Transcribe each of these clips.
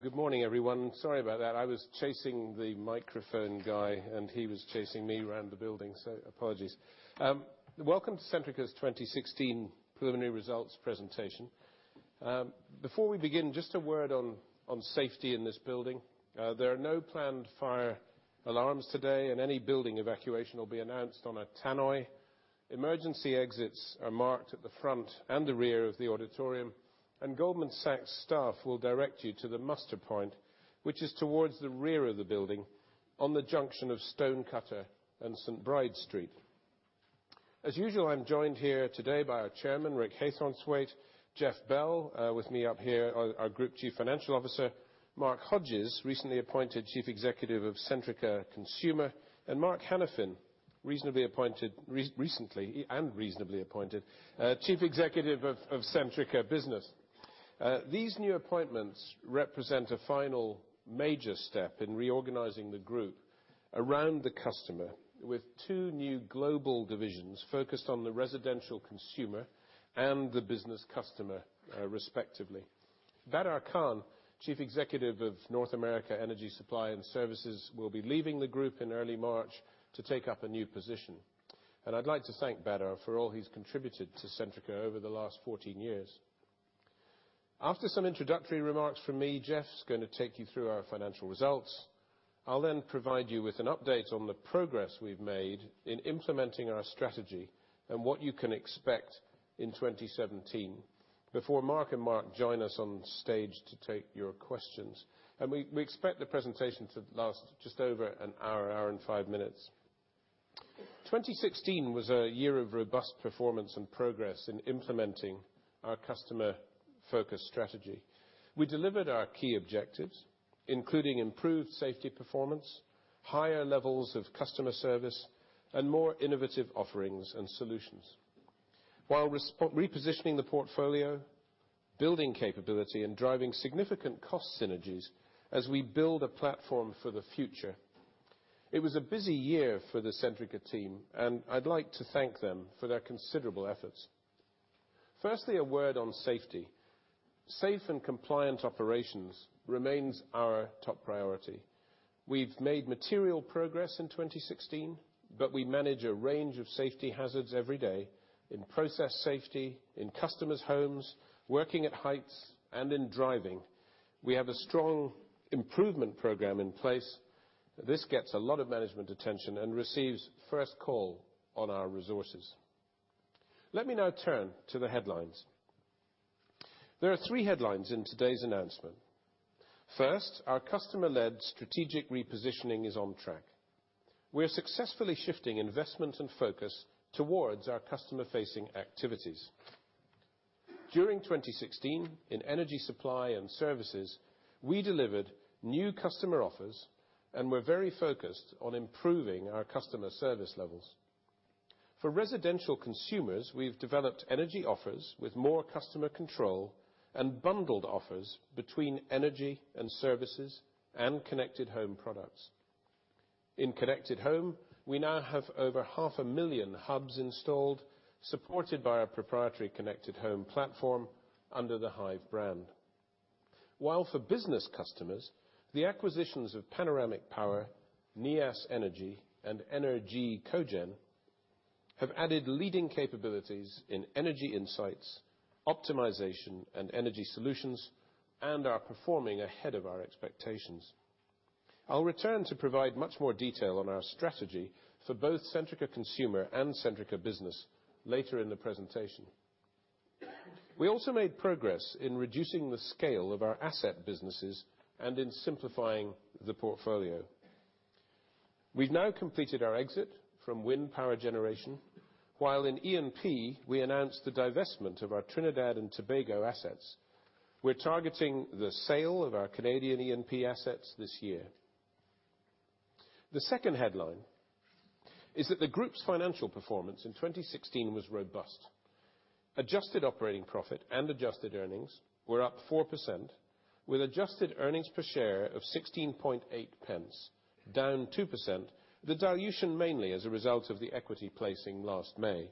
Good morning, everyone. Sorry about that. I was chasing the microphone guy, and he was chasing me around the building. Apologies. Welcome to Centrica's 2016 preliminary results presentation. Before we begin, just a word on safety in this building. There are no planned fire alarms today, and any building evacuation will be announced on a tannoy. Emergency exits are marked at the front and the rear of the auditorium, and Goldman Sachs staff will direct you to the muster point, which is towards the rear of the building on the junction of Stonecutter and St. Bride's Street. As usual, I'm joined here today by our Chairman, Rick Haythornthwaite, Jeff Bell, with me up here, our Group Chief Financial Officer, Mark Hodges, recently appointed Chief Executive of Centrica Consumer, and Mark Hanafin, recently appointed Chief Executive of Centrica Business. These new appointments represent a final major step in reorganizing the group around the customer with two new global divisions focused on the residential consumer and the business customer, respectively. Badar Khan, Chief Executive of North America Energy Supply and Services, will be leaving the group in early March to take up a new position. I'd like to thank Badar for all he's contributed to Centrica over the last 14 years. After some introductory remarks from me, Jeff's going to take you through our financial results. I'll then provide you with an update on the progress we've made in implementing our strategy and what you can expect in 2017 before Mark and Mark join us on stage to take your questions. We expect the presentation to last just over an hour and five minutes. 2016 was a year of robust performance and progress in implementing our customer-focused strategy. We delivered our key objectives, including improved safety performance, higher levels of customer service, and more innovative offerings and solutions, while repositioning the portfolio, building capability, and driving significant cost synergies as we build a platform for the future. It was a busy year for the Centrica team, and I'd like to thank them for their considerable efforts. Firstly, a word on safety. Safe and compliant operations remains our top priority. We've made material progress in 2016, but we manage a range of safety hazards every day in process safety, in customers' homes, working at heights, and in driving. We have a strong improvement program in place. This gets a lot of management attention and receives first call on our resources. Let me now turn to the headlines. There are three headlines in today's announcement. First, our customer-led strategic repositioning is on track. We're successfully shifting investment and focus towards our customer-facing activities. During 2016, in energy supply and services, we delivered new customer offers and were very focused on improving our customer service levels. For residential consumers, we've developed energy offers with more customer control and bundled offers between energy and services and Connected Home products. In Connected Home, we now have over half a million hubs installed, supported by our proprietary Connected Home platform under the Hive brand. While for business customers, the acquisitions of Panoramic Power, Neas Energy, and ENER-G Cogen have added leading capabilities in energy insights, optimization, and energy solutions and are performing ahead of our expectations. I'll return to provide much more detail on our strategy for both Centrica Consumer and Centrica Business later in the presentation. We also made progress in reducing the scale of our asset businesses and in simplifying the portfolio. We've now completed our exit from wind power generation, while in E&P, we announced the divestment of our Trinidad and Tobago assets. We're targeting the sale of our Canadian E&P assets this year. The second headline is that the group's financial performance in 2016 was robust. Adjusted operating profit and adjusted earnings were up 4%, with adjusted earnings per share of 0.168, down 2%, the dilution mainly as a result of the equity placing last May.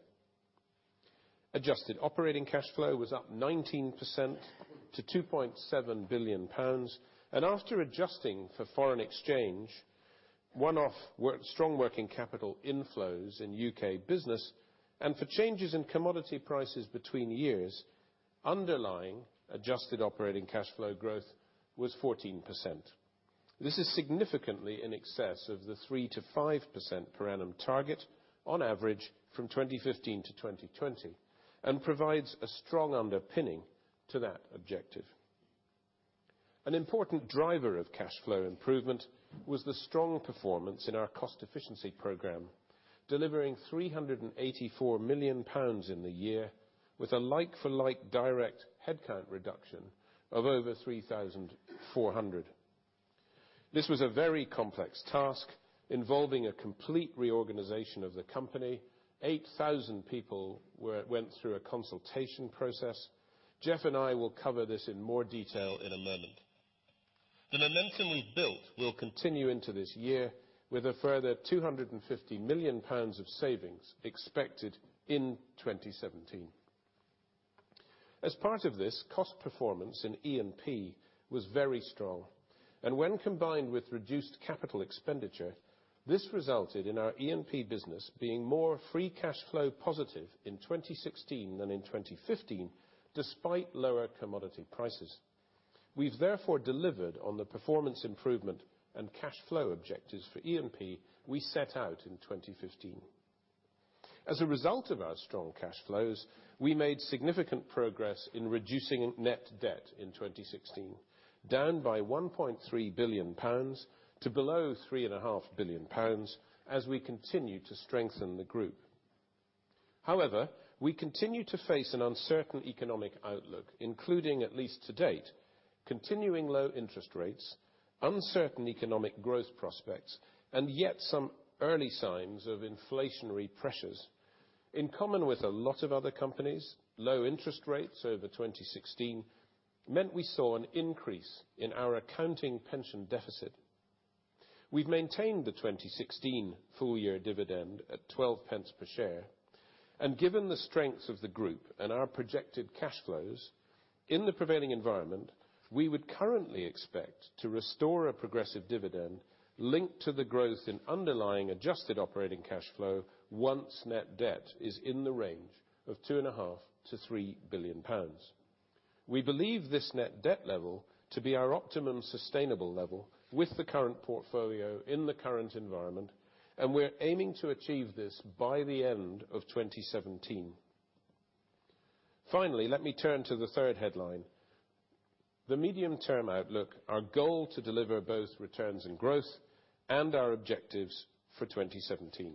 Adjusted operating cash flow was up 19% to 2.7 billion pounds. After adjusting for foreign exchange, one-off strong working capital inflows in U.K. Business, and for changes in commodity prices between years, underlying adjusted operating cash flow growth was 14%. This is significantly in excess of the 3%-5% per annum target on average from 2015 to 2020 and provides a strong underpinning to that objective. An important driver of cash flow improvement was the strong performance in our cost efficiency program, delivering 384 million pounds in the year with a like-for-like direct headcount reduction of over 3,400. This was a very complex task involving a complete reorganization of the company. 8,000 people went through a consultation process. Jeff and I will cover this in more detail in a moment. The momentum we've built will continue into this year with a further 250 million pounds of savings expected in 2017. As part of this, cost performance in E&P was very strong, and when combined with reduced capital expenditure, this resulted in our E&P business being more free cash flow positive in 2016 than in 2015, despite lower commodity prices. We've therefore delivered on the performance improvement and cash flow objectives for E&P we set out in 2015. As a result of our strong cash flows, we made significant progress in reducing net debt in 2016, down by 1.3 billion pounds to below 3.5 billion pounds as we continue to strengthen the group. However, we continue to face an uncertain economic outlook, including, at least to date, continuing low interest rates, uncertain economic growth prospects, and yet some early signs of inflationary pressures. In common with a lot of other companies, low interest rates over 2016 meant we saw an increase in our accounting pension deficit. We've maintained the 2016 full-year dividend at 0.12 per share. Given the strengths of the group and our projected cash flows, in the prevailing environment, we would currently expect to restore a progressive dividend linked to the growth in underlying adjusted operating cash flow once net debt is in the range of 2.5 billion-3 billion pounds. We believe this net debt level to be our optimum sustainable level with the current portfolio in the current environment, and we're aiming to achieve this by the end of 2017. Finally, let me turn to the third headline, the medium-term outlook, our goal to deliver both returns and growth, and our objectives for 2017.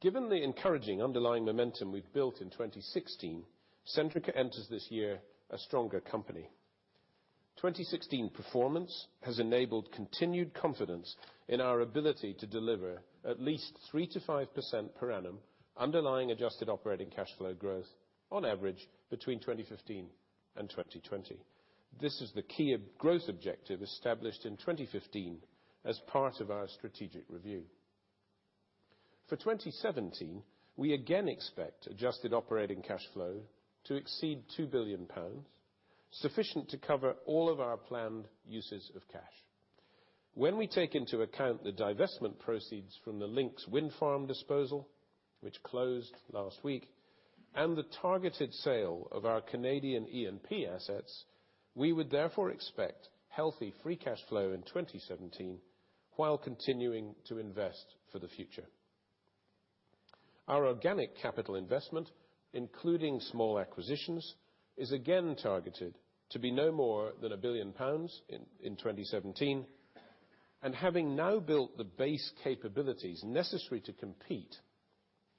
Given the encouraging underlying momentum we've built in 2016, Centrica enters this year a stronger company. 2016 performance has enabled continued confidence in our ability to deliver at least 3%-5% per annum underlying adjusted operating cash flow growth on average between 2015 and 2020. This is the key growth objective established in 2015 as part of our strategic review. For 2017, we again expect adjusted operating cash flow to exceed 2 billion pounds, sufficient to cover all of our planned uses of cash. When we take into account the divestment proceeds from the Lincs Wind Farm disposal, which closed last week, and the targeted sale of our Canadian E&P assets, we would therefore expect healthy free cash flow in 2017 while continuing to invest for the future. Our organic capital investment, including small acquisitions, is again targeted to be no more than 1 billion pounds in 2017. Having now built the base capabilities necessary to compete,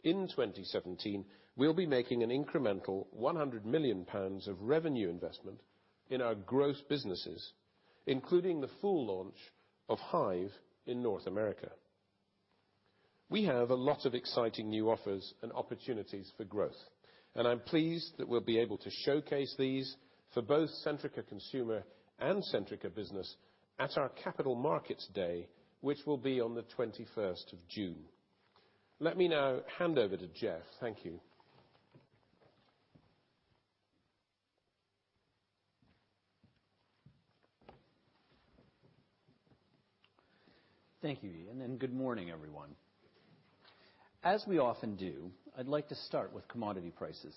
in 2017, we'll be making an incremental 100 million pounds of revenue investment in our growth businesses, including the full launch of Hive in North America. We have a lot of exciting new offers and opportunities for growth, and I'm pleased that we'll be able to showcase these for both Centrica Consumer and Centrica Business at our Capital Markets Day, which will be on the 21st of June. Let me now hand over to Jeff. Thank you. Thank you, Iain, and good morning, everyone. As we often do, I'd like to start with commodity prices.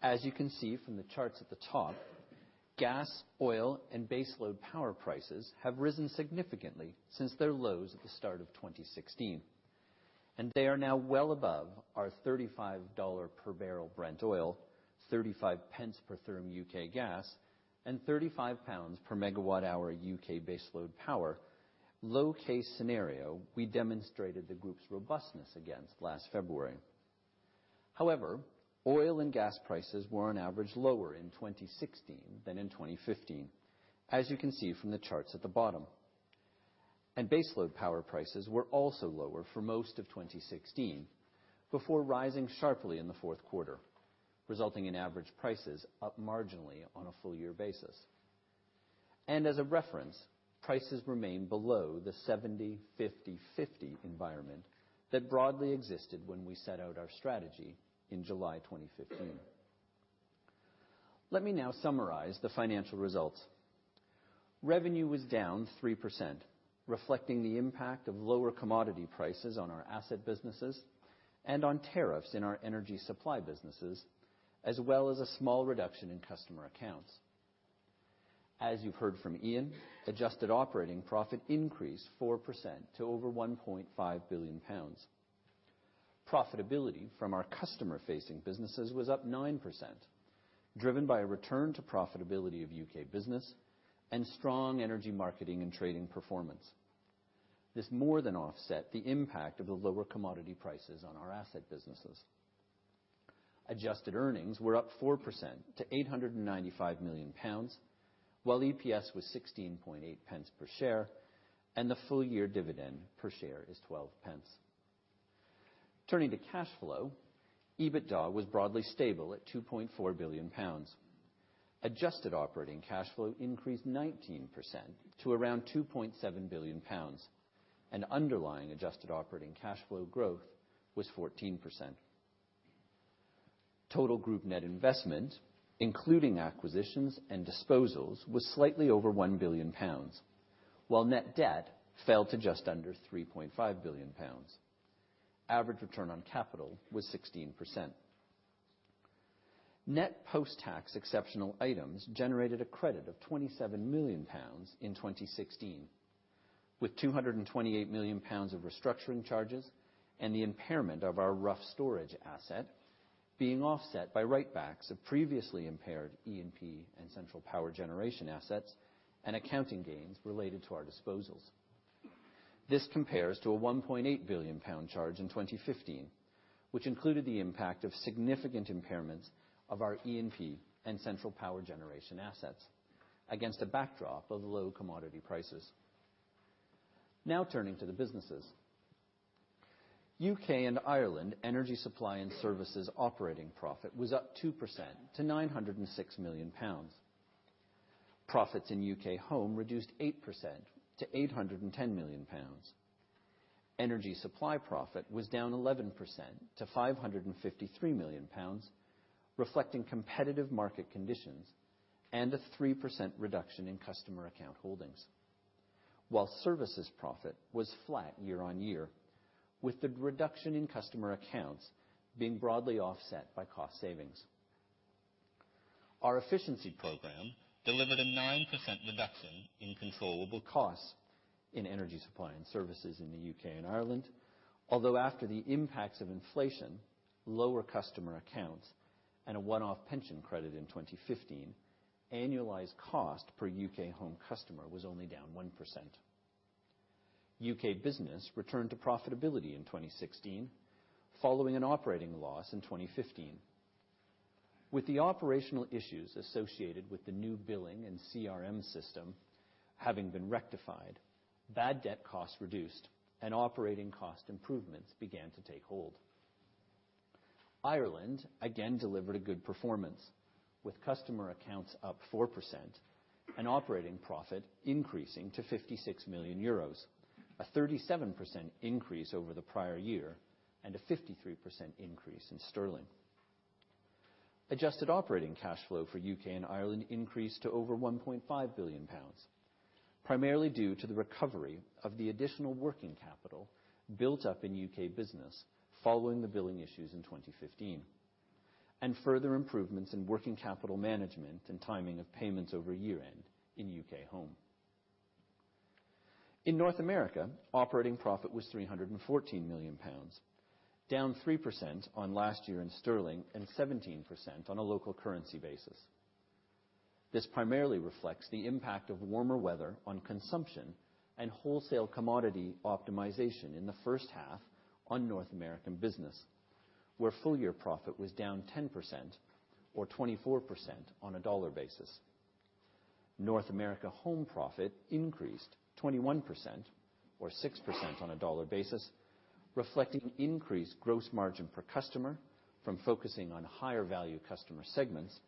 As you can see from the charts at the top, gas, oil, and base load power prices have risen significantly since their lows at the start of 2016. They are now well above our $35 per barrel Brent oil, 0.35 per therm U.K. gas, and 35 pounds per megawatt hour U.K. base load power, low case scenario we demonstrated the group's robustness against last February. However, oil and gas prices were on average lower in 2016 than in 2015, as you can see from the charts at the bottom. Base load power prices were also lower for most of 2016 before rising sharply in the fourth quarter, resulting in average prices up marginally on a full-year basis. As a reference, prices remain below the 70/50/50 environment that broadly existed when we set out our strategy in July 2015. Let me now summarize the financial results. Revenue was down 3%, reflecting the impact of lower commodity prices on our asset businesses and on tariffs in our energy supply businesses, as well as a small reduction in customer accounts. As you've heard from Ian, adjusted operating profit increased 4% to over 1.5 billion pounds. Profitability from our customer-facing businesses was up 9%, driven by a return to profitability of U.K. Business and strong Energy Marketing & Trading performance. This more than offset the impact of the lower commodity prices on our asset businesses. Adjusted earnings were up 4% to 895 million pounds, while EPS was 0.168 per share, and the full-year dividend per share is 0.12. Turning to cash flow, EBITDA was broadly stable at 2.4 billion pounds. Adjusted operating cash flow increased 19% to around 2.7 billion pounds, and underlying adjusted operating cash flow growth was 14%. Total group net investment, including acquisitions and disposals, was slightly over 1 billion pounds, while net debt fell to just under 3.5 billion pounds. Average return on capital was 16%. Net post-tax exceptional items generated a credit of 27 million pounds in 2016, with 228 million pounds of restructuring charges and the impairment of our Rough storage asset being offset by write-backs of previously impaired E&P and central power generation assets, and accounting gains related to our disposals. This compares to a 1.8 billion pound charge in 2015, which included the impact of significant impairments of our E&P and central power generation assets against a backdrop of low commodity prices. Turning to the businesses. U.K. and Ireland energy supply and services operating profit was up 2% to GBP 906 million. Profits in UK Home reduced 8% to GBP 810 million. Energy supply profit was down 11% to GBP 553 million, reflecting competitive market conditions and a 3% reduction in customer account holdings. Services profit was flat year-on-year, with the reduction in customer accounts being broadly offset by cost savings. Our efficiency program delivered a 9% reduction in controllable costs in energy supply and services in the U.K. and Ireland. After the impacts of inflation, lower customer accounts, and a one-off pension credit in 2015, annualized cost per UK Home customer was only down 1%. UK Business returned to profitability in 2016, following an operating loss in 2015. With the operational issues associated with the new billing and CRM system having been rectified, bad debt costs reduced, and operating cost improvements began to take hold. Ireland again delivered a good performance with customer accounts up 4% and operating profit increasing to 56 million euros, a 37% increase over the prior year and a 53% increase in sterling. Adjusted operating cash flow for U.K. and Ireland increased to over 1.5 billion pounds, primarily due to the recovery of the additional working capital built up in UK Business following the billing issues in 2015, and further improvements in working capital management and timing of payments over year-end in UK Home. In North America, operating profit was 314 million pounds, down 3% on last year in sterling and 17% on a local currency basis. This primarily reflects the impact of warmer weather on consumption and wholesale commodity optimization in the first half on North America Business, where full-year profit was down 10%, or 24% on a dollar basis. North America Home profit increased 21%, or 6% on a dollar basis, reflecting increased gross margin per customer from focusing on higher-value customer segments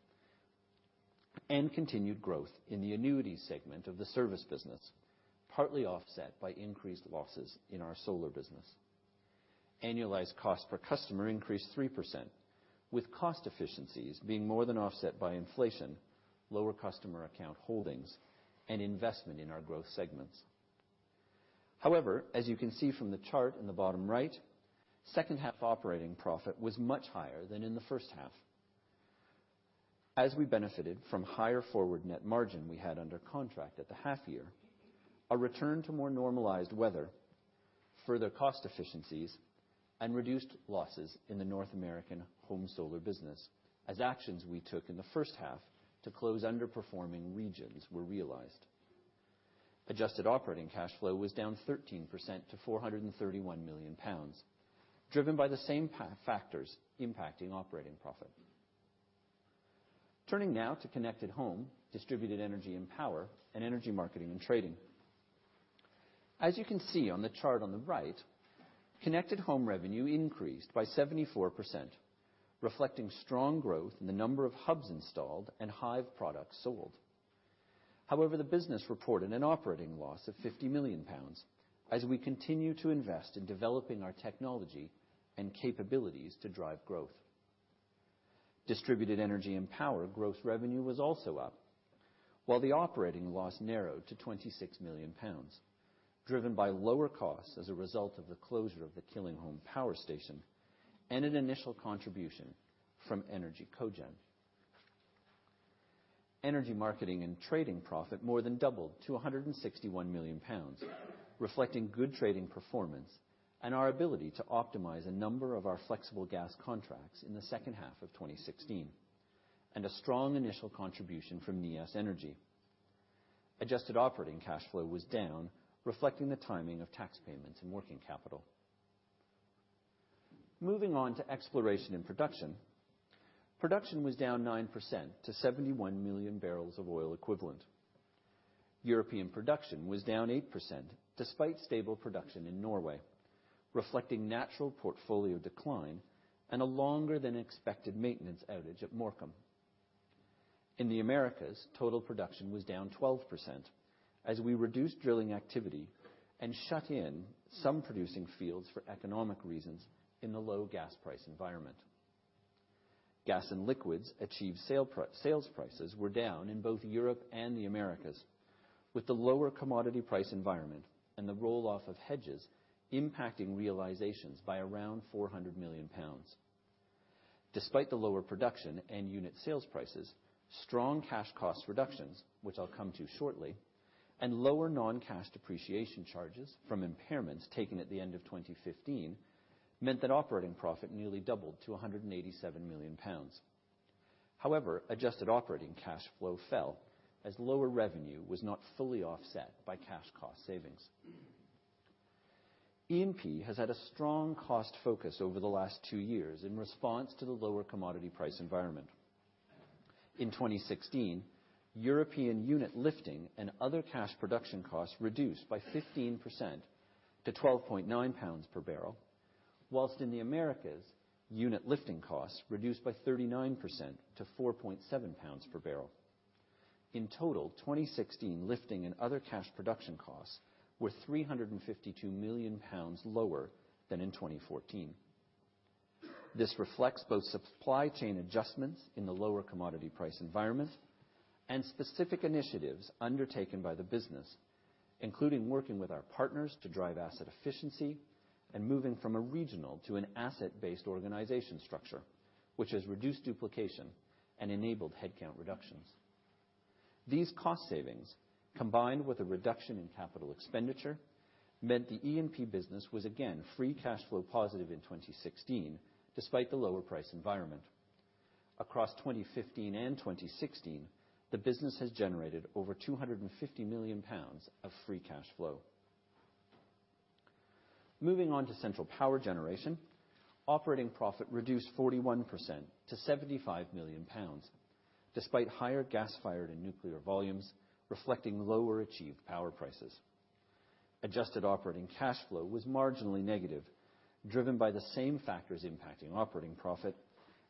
and continued growth in the annuity segment of the service business, partly offset by increased losses in our solar business. Annualized cost per customer increased 3%, with cost efficiencies being more than offset by inflation, lower customer account holdings, and investment in our growth segments. As you can see from the chart in the bottom right, second half operating profit was much higher than in the first half. As we benefited from higher forward net margin we had under contract at the half year, a return to more normalized weather, further cost efficiencies, and reduced losses in the North American home solar business as actions we took in the first half to close underperforming regions were realized. Adjusted operating cash flow was down 13% to 431 million pounds, driven by the same factors impacting operating profit. Turning now to Connected Home, Distributed Energy & Power, and Energy Marketing & Trading. As you can see on the chart on the right, Connected Home revenue increased by 74%, reflecting strong growth in the number of hubs installed and Hive products sold. However, the business reported an operating loss of 50 million pounds as we continue to invest in developing our technology and capabilities to drive growth. Distributed Energy & Power gross revenue was also up, while the operating loss narrowed to 26 million pounds, driven by lower costs as a result of the closure of the Killingholme Power Station and an initial contribution from ENER-G Cogen. Energy Marketing & Trading profit more than doubled to 161 million pounds, reflecting good trading performance and our ability to optimize a number of our flexible gas contracts in the second half of 2016, and a strong initial contribution from Neas Energy. Adjusted operating cash flow was down, reflecting the timing of tax payments and working capital. Moving on to Exploration and Production. Production was down 9% to 71 million barrels of oil equivalent. European production was down 8%, despite stable production in Norway, reflecting natural portfolio decline and a longer than expected maintenance outage at Morecambe. In the Americas, total production was down 12% as we reduced drilling activity and shut in some producing fields for economic reasons in the low gas price environment. Gas and liquids achieved sales prices were down in both Europe and the Americas, with the lower commodity price environment and the roll-off of hedges impacting realizations by around 400 million pounds. Despite the lower production and unit sales prices, strong cash cost reductions, which I'll come to shortly, and lower non-cash depreciation charges from impairments taken at the end of 2015, meant that operating profit nearly doubled to 187 million pounds. However, adjusted operating cash flow fell as lower revenue was not fully offset by cash cost savings. E&P has had a strong cost focus over the last two years in response to the lower commodity price environment. In 2016, European unit lifting and other cash production costs reduced by 15% to 12.9 pounds per barrel. Whilst in the Americas, unit lifting costs reduced by 39% to 4.7 pounds per barrel. In total, 2016 lifting and other cash production costs were 352 million pounds lower than in 2014. This reflects both supply chain adjustments in the lower commodity price environment and specific initiatives undertaken by the business, including working with our partners to drive asset efficiency and moving from a regional to an asset-based organization structure, which has reduced duplication and enabled headcount reductions. These cost savings, combined with a reduction in capital expenditure, meant the E&P business was again free cash flow positive in 2016, despite the lower price environment. Across 2015 and 2016, the business has generated over 250 million pounds of free cash flow. Moving on to central power generation. Operating profit reduced 41% to 75 million pounds, despite higher gas-fired and nuclear volumes reflecting lower achieved power prices. Adjusted operating cash flow was marginally negative, driven by the same factors impacting operating profit,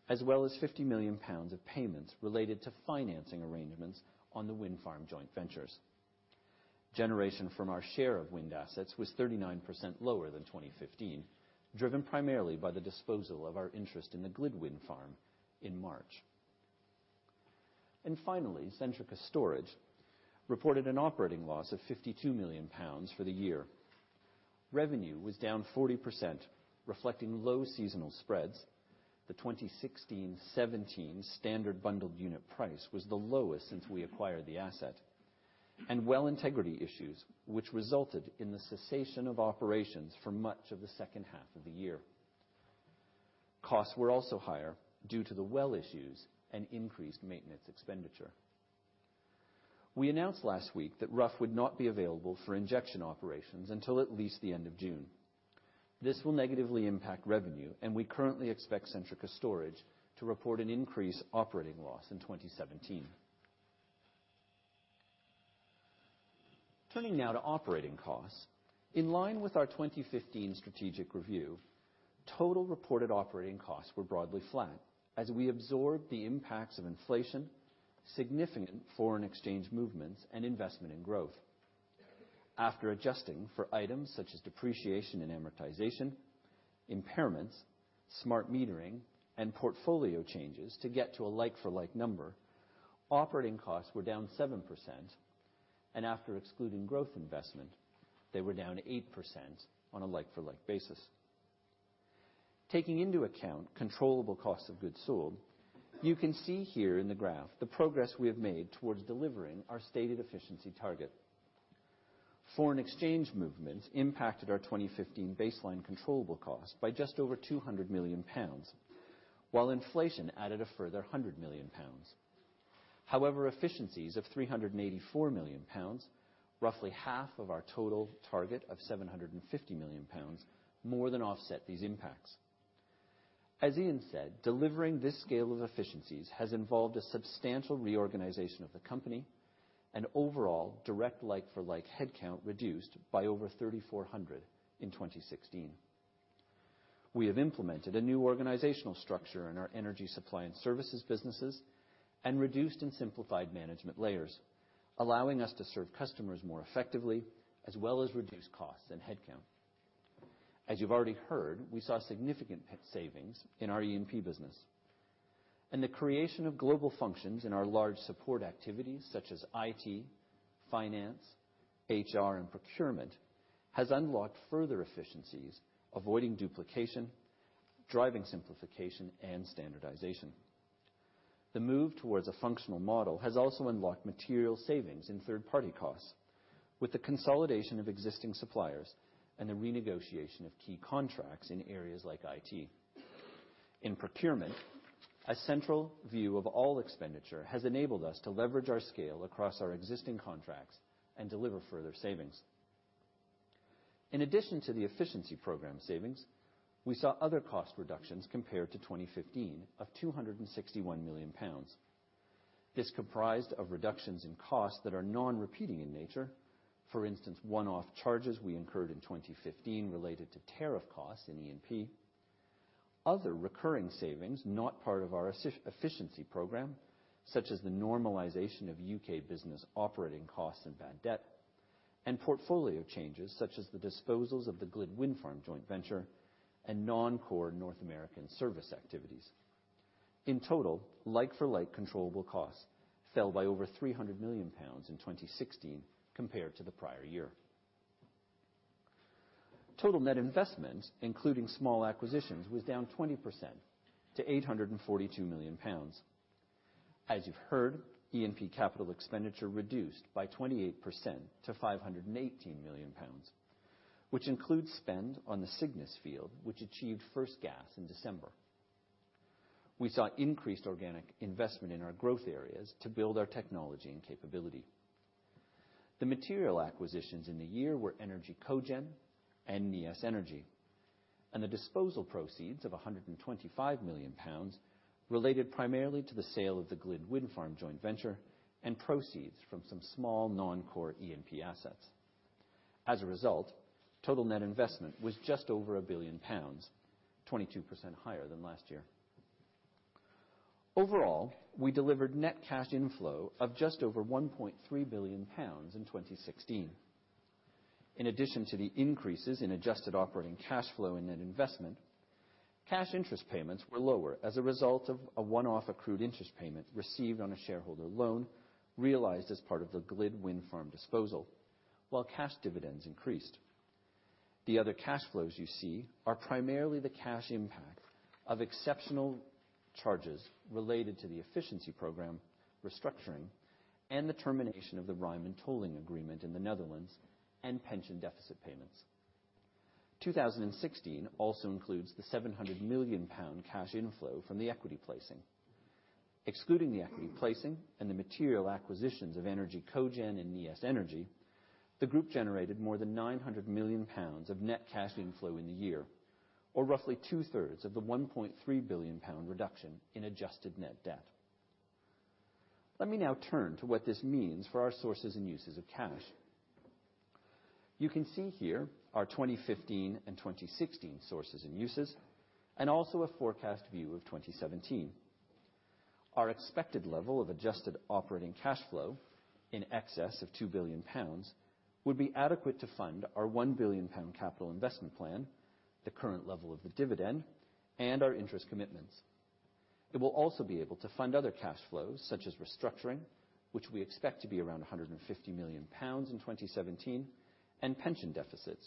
as well as 50 million pounds of payments related to financing arrangements on the wind farm joint ventures. Generation from our share of wind assets was 39% lower than 2015, driven primarily by the disposal of our interest in the GLID wind farm in March. Finally, Centrica Storage reported an operating loss of 52 million pounds for the year. Revenue was down 40%, reflecting low seasonal spreads. The 2016/17 standard bundled unit price was the lowest since we acquired the asset, and well integrity issues, which resulted in the cessation of operations for much of the second half of the year. Costs were also higher due to the well issues and increased maintenance expenditure. We announced last week that Rough would not be available for injection operations until at least the end of June. This will negatively impact revenue, and we currently expect Centrica Storage to report an increased operating loss in 2017. Turning now to operating costs. In line with our 2015 strategic review, total reported operating costs were broadly flat as we absorb the impacts of inflation, significant foreign exchange movements, and investment in growth. After adjusting for items such as depreciation and amortization, impairments, smart metering, and portfolio changes to get to a like-for-like number, operating costs were down 7%, and after excluding growth investment, they were down 8% on a like-for-like basis. Taking into account controllable costs of goods sold, you can see here in the graph the progress we have made towards delivering our stated efficiency target. Foreign exchange movements impacted our 2015 baseline controllable cost by just over 200 million pounds, while inflation added a further 100 million pounds. However, efficiencies of 384 million pounds, roughly half of our total target of 750 million pounds, more than offset these impacts. As Iain said, delivering this scale of efficiencies has involved a substantial reorganization of the company and overall direct like-for-like headcount reduced by over 3,400 in 2016. We have implemented a new organizational structure in our Energy Supply & Services businesses and reduced and simplified management layers, allowing us to serve customers more effectively as well as reduce costs and headcount. As you've already heard, we saw significant cost savings in our E&P business. The creation of global functions in our large support activities such as IT, finance, HR, and procurement, has unlocked further efficiencies, avoiding duplication, driving simplification, and standardization. The move towards a functional model has also unlocked material savings in third-party costs with the consolidation of existing suppliers and the renegotiation of key contracts in areas like IT. In procurement, a central view of all expenditure has enabled us to leverage our scale across our existing contracts and deliver further savings. In addition to the efficiency program savings, we saw other cost reductions compared to 2015 of 261 million pounds. This comprised of reductions in costs that are non-repeating in nature. For instance, one-off charges we incurred in 2015 related to tariff costs in E&P. Other recurring savings, not part of our efficiency program, such as the normalization of UK Business operating costs and bad debt, and portfolio changes such as the disposals of the GLID Wind Farm joint venture and non-core North American service activities. In total, like-for-like controllable costs fell by over 300 million pounds in 2016 compared to the prior year. Total net investment, including small acquisitions, was down 20% to 842 million pounds. As you've heard, E&P capital expenditure reduced by 28% to 518 million pounds, which includes spend on the Cygnus field, which achieved first gas in December. We saw increased organic investment in our growth areas to build our technology and capability. The material acquisitions in the year were ENER-G Cogen and Neas Energy, and the disposal proceeds of 125 million pounds related primarily to the sale of the GLID Wind Farm joint venture and proceeds from some small non-core E&P assets. As a result, total net investment was just over 1 billion pounds, 22% higher than last year. Overall, we delivered net cash inflow of just over 1.3 billion pounds in 2016. In addition to the increases in adjusted operating cash flow and net investment, cash interest payments were lower as a result of a one-off accrued interest payment received on a shareholder loan realized as part of the GLID Wind Farm disposal, while cash dividends increased. The other cash flows you see are primarily the cash impact of exceptional charges related to the efficiency program restructuring and the termination of the Rijnmond tolling agreement in the Netherlands and pension deficit payments. 2016 also includes the 700 million pound cash inflow from the equity placing. Excluding the equity placing and the material acquisitions of ENER-G Cogen and Neas Energy, the group generated more than 900 million pounds of net cash inflow in the year, or roughly two-thirds of the 1.3 billion pound reduction in adjusted net debt. Let me now turn to what this means for our sources and uses of cash. You can see here our 2015 and 2016 sources and uses, and also a forecast view of 2017. Our expected level of adjusted operating cash flow in excess of 2 billion pounds would be adequate to fund our 1 billion pound capital investment plan, the current level of the dividend, and our interest commitments. It will also be able to fund other cash flows, such as restructuring, which we expect to be around 150 million pounds in 2017, and pension deficits,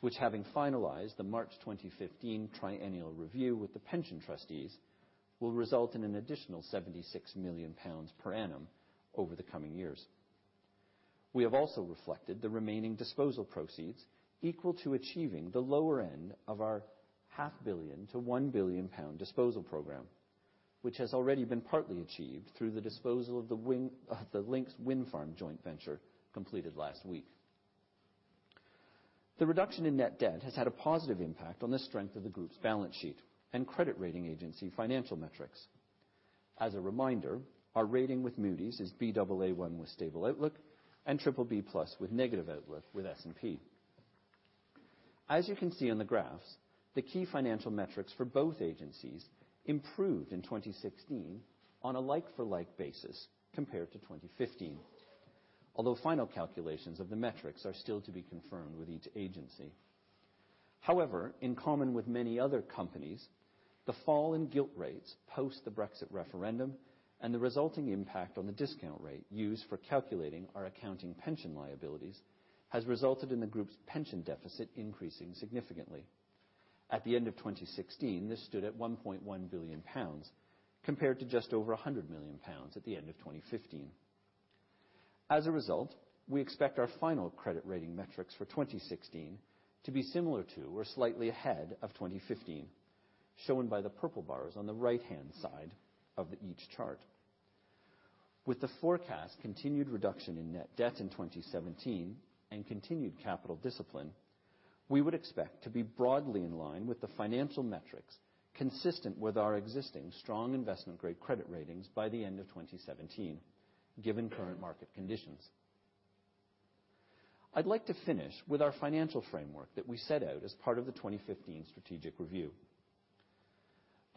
which, having finalized the March 2015 triennial review with the pension trustees, will result in an additional 76 million pounds per annum over the coming years. We have also reflected the remaining disposal proceeds equal to achieving the lower end of our half billion GBP to 1 billion pound disposal program, which has already been partly achieved through the disposal of the Lincs Wind Farm joint venture completed last week. The reduction in net debt has had a positive impact on the strength of the group's balance sheet and credit rating agency financial metrics. As a reminder, our rating with Moody's is Baa1 with stable outlook and BBB+ with negative outlook with S&P. As you can see on the graphs, the key financial metrics for both agencies improved in 2016 on a like-for-like basis compared to 2015. Although final calculations of the metrics are still to be confirmed with each agency. However, in common with many other companies, the fall in gilt rates post the Brexit referendum and the resulting impact on the discount rate used for calculating our accounting pension liabilities has resulted in the group's pension deficit increasing significantly. At the end of 2016, this stood at 1.1 billion pounds, compared to just over 100 million pounds at the end of 2015. As a result, we expect our final credit rating metrics for 2016 to be similar to or slightly ahead of 2015, shown by the purple bars on the right-hand side of each chart. With the forecast continued reduction in net debt in 2017 and continued capital discipline, we would expect to be broadly in line with the financial metrics consistent with our existing strong investment-grade credit ratings by the end of 2017, given current market conditions. I'd like to finish with our financial framework that we set out as part of the 2015 strategic review.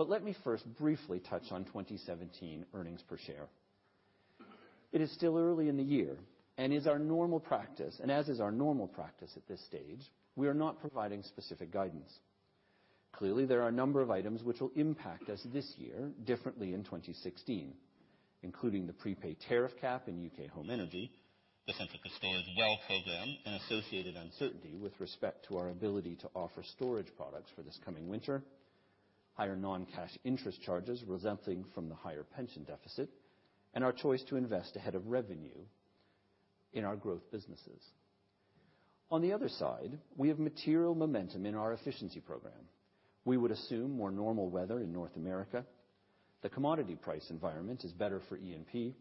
Let me first briefly touch on 2017 earnings per share. It is still early in the year, as is our normal practice at this stage, we are not providing specific guidance. Clearly, there are a number of items which will impact us this year differently in 2016, including the prepaid tariff cap in UK home energy, the Centrica Storage well program and associated uncertainty with respect to our ability to offer storage products for this coming winter, higher non-cash interest charges resulting from the higher pension deficit, and our choice to invest ahead of revenue in our growth businesses. On the other side, we have material momentum in our efficiency program. We would assume more normal weather in North America. The commodity price environment is better for E&P.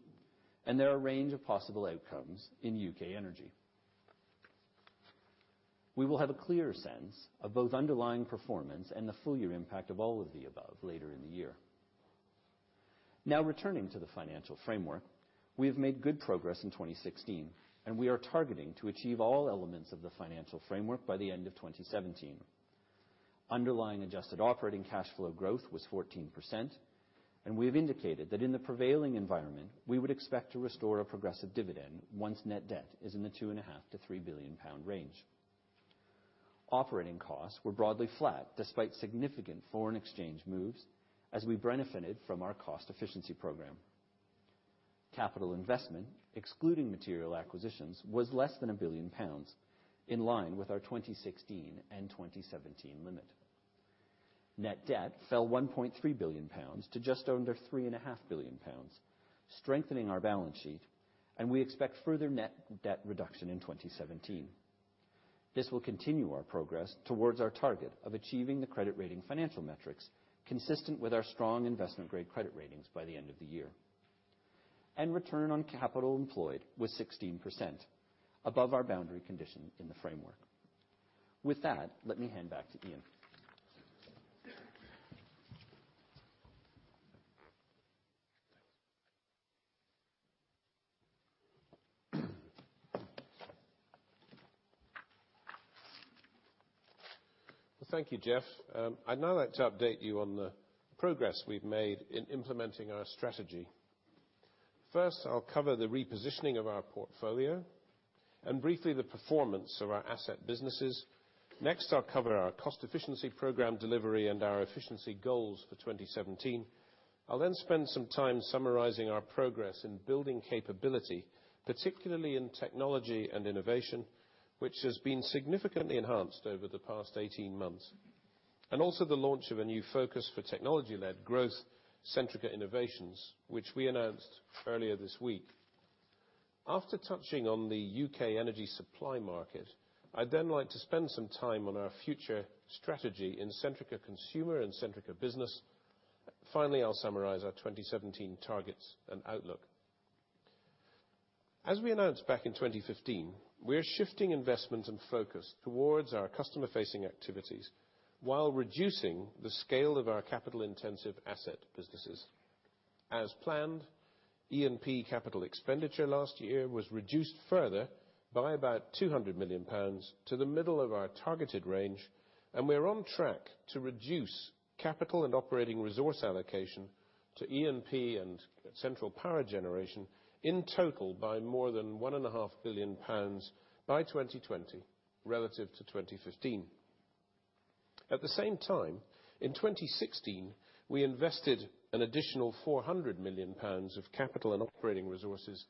There are a range of possible outcomes in UK energy. We will have a clearer sense of both underlying performance and the full year impact of all of the above later in the year. Returning to the financial framework, we have made good progress in 2016, we are targeting to achieve all elements of the financial framework by the end of 2017. Underlying adjusted operating cash flow growth was 14%, we have indicated that in the prevailing environment, we would expect to restore a progressive dividend once net debt is in the 2.5 billion-3 billion pound range. Operating costs were broadly flat despite significant foreign exchange moves, as we benefited from our cost efficiency program. Capital investment, excluding material acquisitions, was less than 1 billion pounds, in line with our 2016 and 2017 limit. Net debt fell 1.3 billion pounds to just under 3.5 billion pounds, strengthening our balance sheet, we expect further net debt reduction in 2017. This will continue our progress towards our target of achieving the credit rating financial metrics consistent with our strong investment-grade credit ratings by the end of the year. Return on capital employed was 16%, above our boundary condition in the framework. With that, let me hand back to Iain. Well, thank you, Jeff. I'd now like to update you on the progress we've made in implementing our strategy. First, I'll cover the repositioning of our portfolio, and briefly the performance of our asset businesses. Next, I'll cover our cost efficiency program delivery and our efficiency goals for 2017. I'll spend some time summarizing our progress in building capability, particularly in technology and innovation, which has been significantly enhanced over the past 18 months. Also the launch of a new focus for technology-led growth, Centrica Innovations, which we announced earlier this week. After touching on the U.K. energy supply market, I'd then like to spend some time on our future strategy in Centrica Consumer and Centrica Business. Finally, I'll summarize our 2017 targets and outlook. As we announced back in 2015, we're shifting investment and focus towards our customer-facing activities while reducing the scale of our capital-intensive asset businesses. As planned, E&P capital expenditure last year was reduced further by about 200 million pounds to the middle of our targeted range. We're on track to reduce capital and operating resource allocation to E&P and central power generation in total by more than 1.5 billion pounds by 2020, relative to 2015. At the same time, in 2016, we invested an additional 400 million pounds of capital and operating resources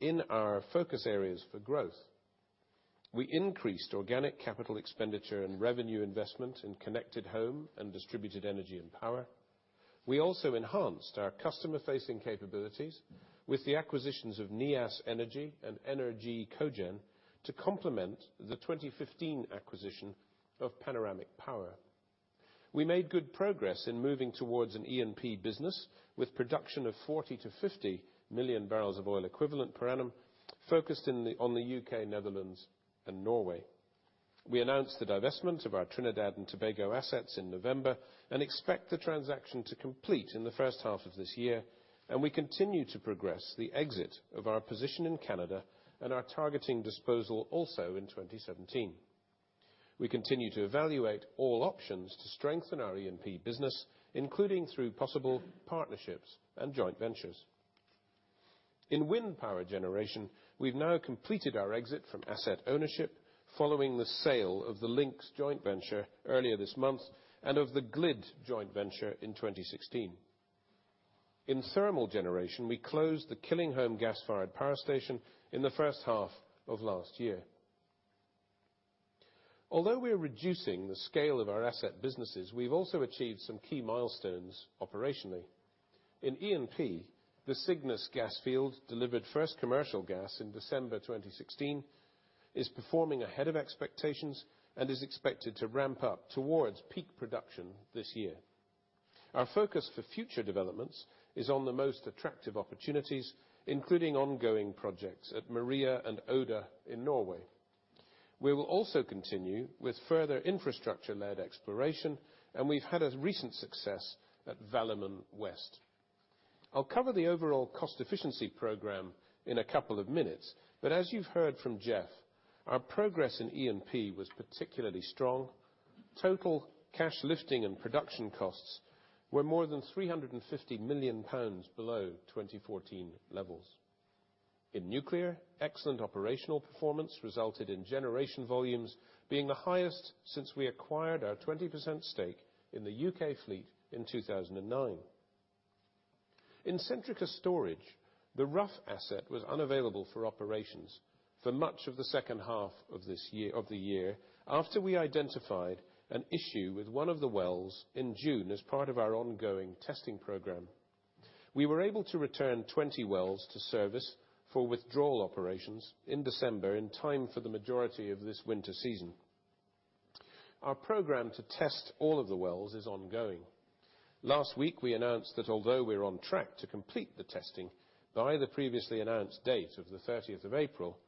in our focus areas for growth. We increased organic capital expenditure and revenue investment in Connected Home and Distributed Energy & Power. We also enhanced our customer-facing capabilities with the acquisitions of Neas Energy and ENER-G Cogen to complement the 2015 acquisition of Panoramic Power. We made good progress in moving towards an E&P business with production of 40 to 50 million barrels of oil equivalent per annum, focused on the U.K., Netherlands, and Norway. We announced the divestment of our Trinidad and Tobago assets in November and expect the transaction to complete in the first half of this year. We continue to progress the exit of our position in Canada and are targeting disposal also in 2017. We continue to evaluate all options to strengthen our E&P business, including through possible partnerships and joint ventures. In Wind Power Generation, we've now completed our exit from asset ownership following the sale of the Lincs joint venture earlier this month and of the GLID joint venture in 2016. In Thermal Generation, we closed the Killingholme gas-fired power station in the first half of last year. Although we are reducing the scale of our asset businesses, we've also achieved some key milestones operationally. In E&P, the Cygnus gas field delivered first commercial gas in December 2016, is performing ahead of expectations, and is expected to ramp up towards peak production this year. Our focus for future developments is on the most attractive opportunities, including ongoing projects at Maria and Oda in Norway. We will also continue with further infrastructure-led exploration, and we've had a recent success at Valemon West. I'll cover the overall cost efficiency program in a couple of minutes, but as you've heard from Jeff, our progress in E&P was particularly strong. Total cash lifting and production costs were more than 350 million pounds below 2014 levels. In nuclear, excellent operational performance resulted in generation volumes being the highest since we acquired our 20% stake in the U.K. fleet in 2009. In Centrica Storage, the Rough asset was unavailable for operations for much of the second half of the year after we identified an issue with one of the wells in June as part of our ongoing testing program. We were able to return 20 wells to service for withdrawal operations in December in time for the majority of this winter season. Our program to test all of the wells is ongoing. Last week, we announced that although we're on track to complete the testing by the previously announced date of the 30th of April,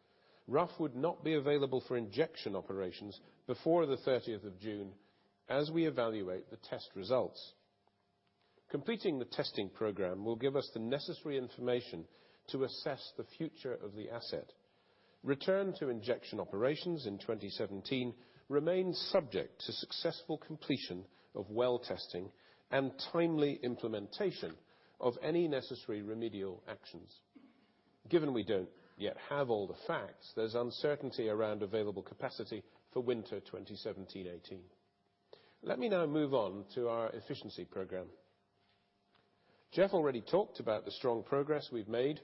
Rough would not be available for injection operations before the 30th of June, as we evaluate the test results. Completing the testing program will give us the necessary information to assess the future of the asset. Return to injection operations in 2017 remains subject to successful completion of well testing and timely implementation of any necessary remedial actions. Given we don't yet have all the facts, there's uncertainty around available capacity for winter 2017/18. Let me now move on to our efficiency program. Jeff already talked about the strong progress we've made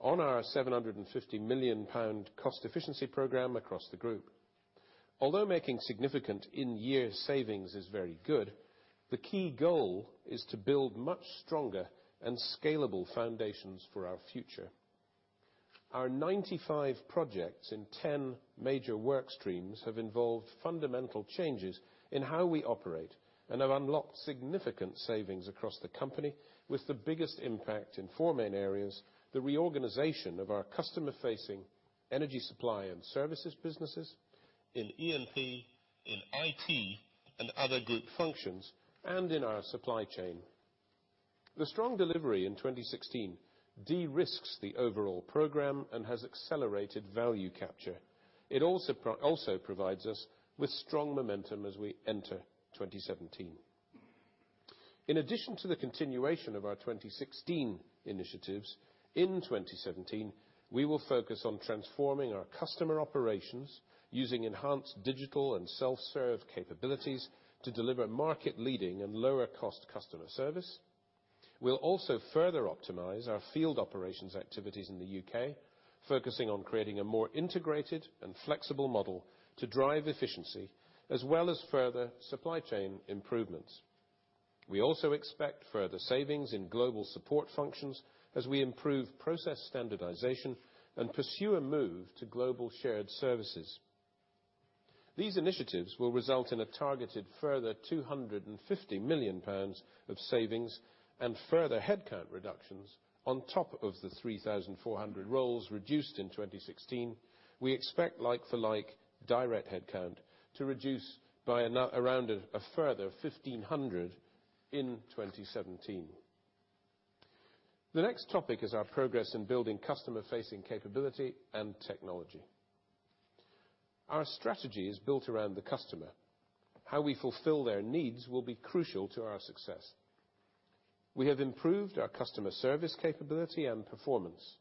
on our 750 million pound cost efficiency program across the group. Making significant in-year savings is very good, the key goal is to build much stronger and scalable foundations for our future. Our 95 projects in 10 major work streams have involved fundamental changes in how we operate and have unlocked significant savings across the company, with the biggest impact in four main areas: the reorganization of our customer-facing energy supply and services businesses, in E&P, in IT, and other group functions, and in our supply chain. The strong delivery in 2016 de-risks the overall program and has accelerated value capture. It also provides us with strong momentum as we enter 2017. In addition to the continuation of our 2016 initiatives, in 2017, we will focus on transforming our customer operations using enhanced digital and self-serve capabilities to deliver market-leading and lower-cost customer service. We'll also further optimize our field operations activities in the U.K., focusing on creating a more integrated and flexible model to drive efficiency, as well as further supply chain improvements. We also expect further savings in global support functions as we improve process standardization and pursue a move to global shared services. These initiatives will result in a targeted further 250 million pounds of savings and further headcount reductions on top of the 3,400 roles reduced in 2016. We expect like-for-like direct headcount to reduce by around a further 1,500 in 2017. The next topic is our progress in building customer-facing capability and technology. Our strategy is built around the customer. How we fulfill their needs will be crucial to our success. We have improved our customer service capability and performance,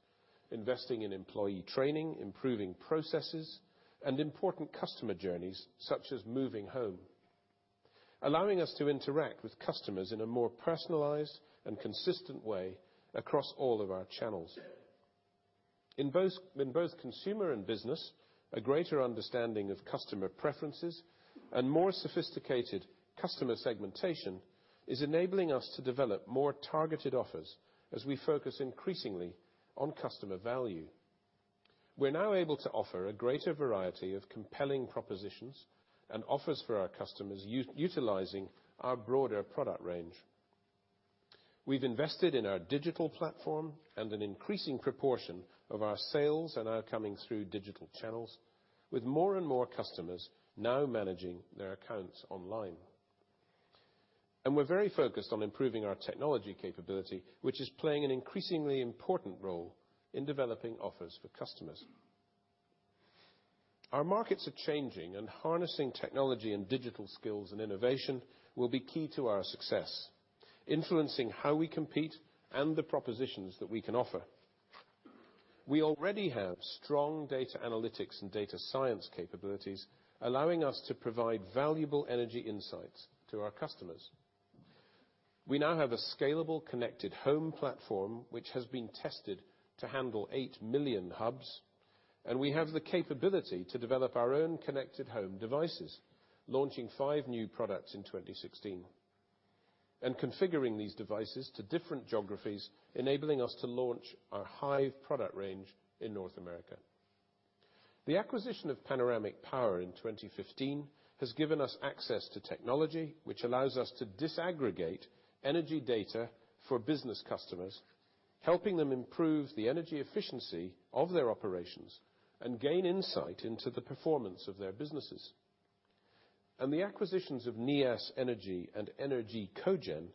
investing in employee training, improving processes, and important customer journeys such as moving home, allowing us to interact with customers in a more personalized and consistent way across all of our channels. In both consumer and business, a greater understanding of customer preferences and more sophisticated customer segmentation is enabling us to develop more targeted offers as we focus increasingly on customer value. We're now able to offer a greater variety of compelling propositions and offers for our customers utilizing our broader product range. We've invested in our digital platform and an increasing proportion of our sales are now coming through digital channels, with more and more customers now managing their accounts online. We're very focused on improving our technology capability, which is playing an increasingly important role in developing offers for customers. Our markets are changing, harnessing technology and digital skills and innovation will be key to our success, influencing how we compete and the propositions that we can offer. We already have strong data analytics and data science capabilities, allowing us to provide valuable energy insights to our customers. We now have a scalable Connected Home platform, which has been tested to handle 8 million hubs, and we have the capability to develop our own Connected Home devices, launching five new products in 2016. Configuring these devices to different geographies, enabling us to launch our Hive product range in North America. The acquisition of Panoramic Power in 2015 has given us access to technology which allows us to disaggregate energy data for business customers, helping them improve the energy efficiency of their operations and gain insight into the performance of their businesses. The acquisitions of Neas Energy and ENER-G Cogen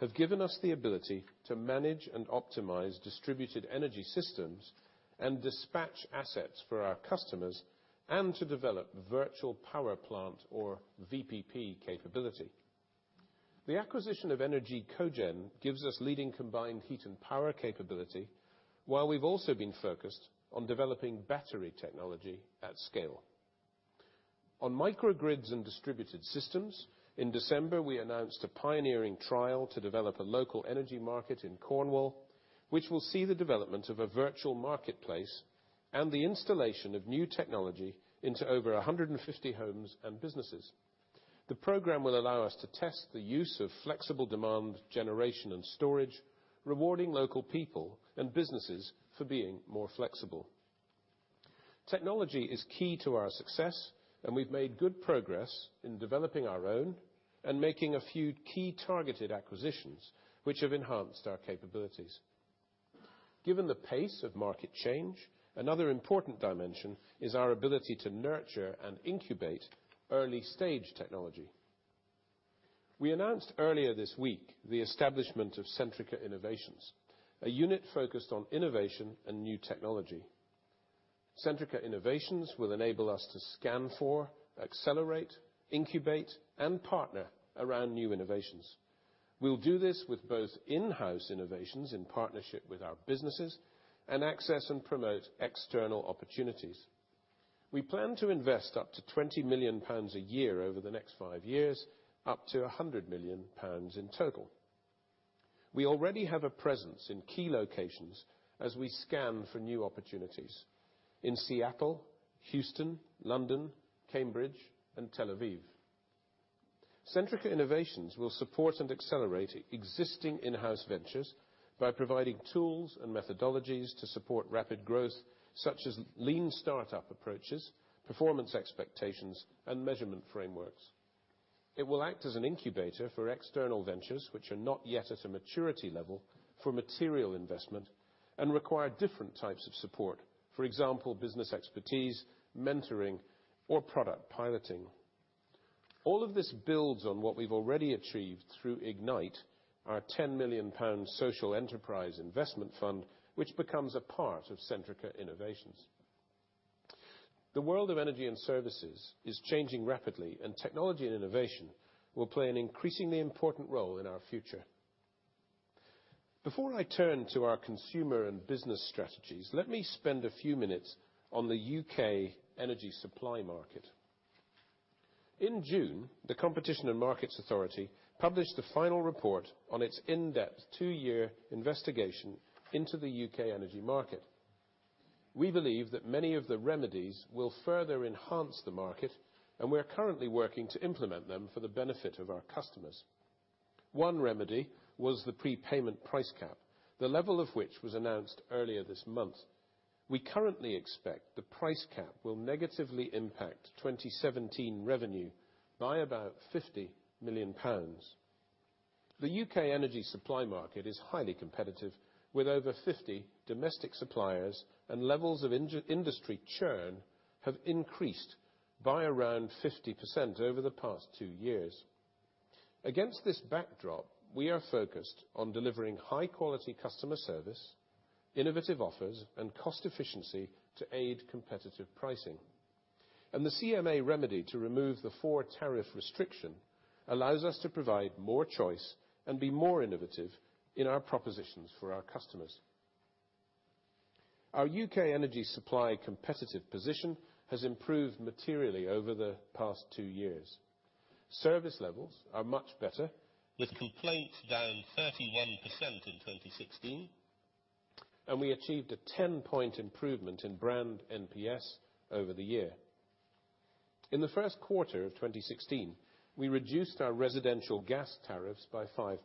have given us the ability to manage and optimize distributed energy systems and dispatch assets for our customers and to develop virtual power plant, or VPP, capability. The acquisition of ENER-G Cogen gives us leading combined heat and power capability, while we've also been focused on developing battery technology at scale. On microgrids and distributed systems, in December, we announced a pioneering trial to develop a local energy market in Cornwall, which will see the development of a virtual marketplace and the installation of new technology into over 150 homes and businesses. The program will allow us to test the use of flexible demand generation and storage, rewarding local people and businesses for being more flexible. Technology is key to our success, we've made good progress in developing our own and making a few key targeted acquisitions, which have enhanced our capabilities. Given the pace of market change, another important dimension is our ability to nurture and incubate early-stage technology. We announced earlier this week the establishment of Centrica Innovations, a unit focused on innovation and new technology. Centrica Innovations will enable us to scan for, accelerate, incubate, and partner around new innovations. We'll do this with both in-house innovations in partnership with our businesses and access and promote external opportunities. We plan to invest up to 20 million pounds a year over the next five years, up to 100 million pounds in total. We already have a presence in key locations as we scan for new opportunities. In Seattle, Houston, London, Cambridge, and Tel Aviv. Centrica Innovations will support and accelerate existing in-house ventures by providing tools and methodologies to support rapid growth, such as lean startup approaches, performance expectations, and measurement frameworks. It will act as an incubator for external ventures which are not yet at a maturity level for material investment and require different types of support. For example, business expertise, mentoring, or product piloting. All of this builds on what we've already achieved through Ignite, our 10 million pound social enterprise investment fund, which becomes a part of Centrica Innovations. The world of energy and services is changing rapidly. Technology and innovation will play an increasingly important role in our future. Before I turn to our consumer and business strategies, let me spend a few minutes on the U.K. energy supply market. In June, the Competition and Markets Authority published the final report on its in-depth two-year investigation into the U.K. energy market. We believe that many of the remedies will further enhance the market. We are currently working to implement them for the benefit of our customers. One remedy was the prepayment price cap, the level of which was announced earlier this month. We currently expect the price cap will negatively impact 2017 revenue by about 50 million pounds. The U.K. energy supply market is highly competitive, with over 50 domestic suppliers. Levels of industry churn have increased by around 50% over the past two years. Against this backdrop, we are focused on delivering high-quality customer service, innovative offers, and cost efficiency to aid competitive pricing. The CMA remedy to remove the four-tariff restriction allows us to provide more choice and be more innovative in our propositions for our customers. Our U.K. energy supply competitive position has improved materially over the past two years. Service levels are much better, with complaints down 31% in 2016. We achieved a 10-point improvement in brand NPS over the year. In the first quarter of 2016, we reduced our residential gas tariffs by 5%.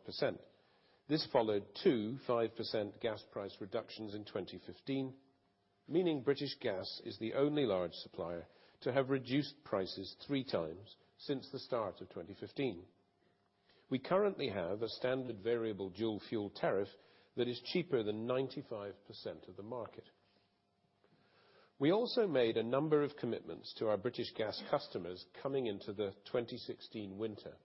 This followed two 5% gas price reductions in 2015, meaning British Gas is the only large supplier to have reduced prices three times since the start of 2015. We currently have a standard variable dual fuel tariff that is cheaper than 95% of the market. We also made a number of commitments to our British Gas customers coming into the 2016 winter.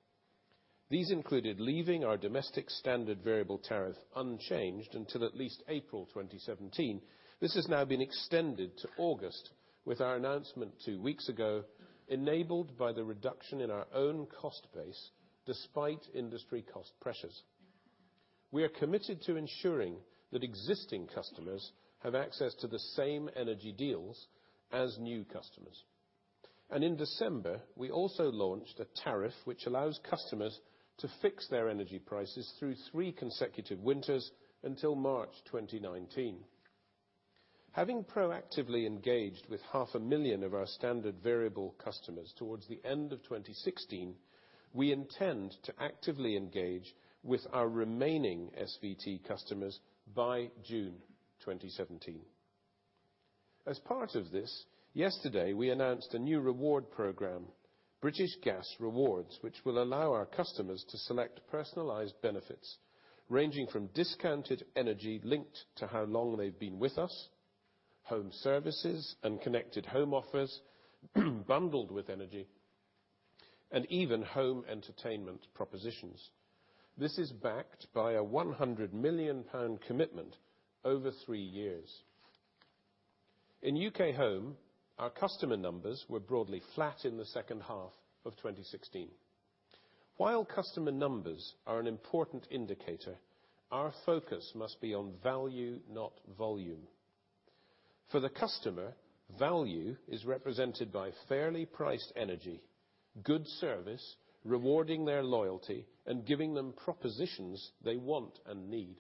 These included leaving our domestic standard variable tariff unchanged until at least April 2017. This has now been extended to August with our announcement two weeks ago, enabled by the reduction in our own cost base, despite industry cost pressures. We are committed to ensuring that existing customers have access to the same energy deals as new customers. In December, we also launched a tariff which allows customers to fix their energy prices through three consecutive winters until March 2019. Having proactively engaged with half a million of our standard variable customers towards the end of 2016, we intend to actively engage with our remaining SVT customers by June 2017. As part of this, yesterday, we announced a new reward program, British Gas Rewards, which will allow our customers to select personalized benefits ranging from discounted energy linked to how long they've been with us, home services and connected home offers bundled with energy, and even home entertainment propositions. This is backed by a 100 million pound commitment over three years. In U.K. Home, our customer numbers were broadly flat in the second half of 2016. While customer numbers are an important indicator, our focus must be on value, not volume. For the customer, value is represented by fairly priced energy, good service, rewarding their loyalty, and giving them propositions they want and need.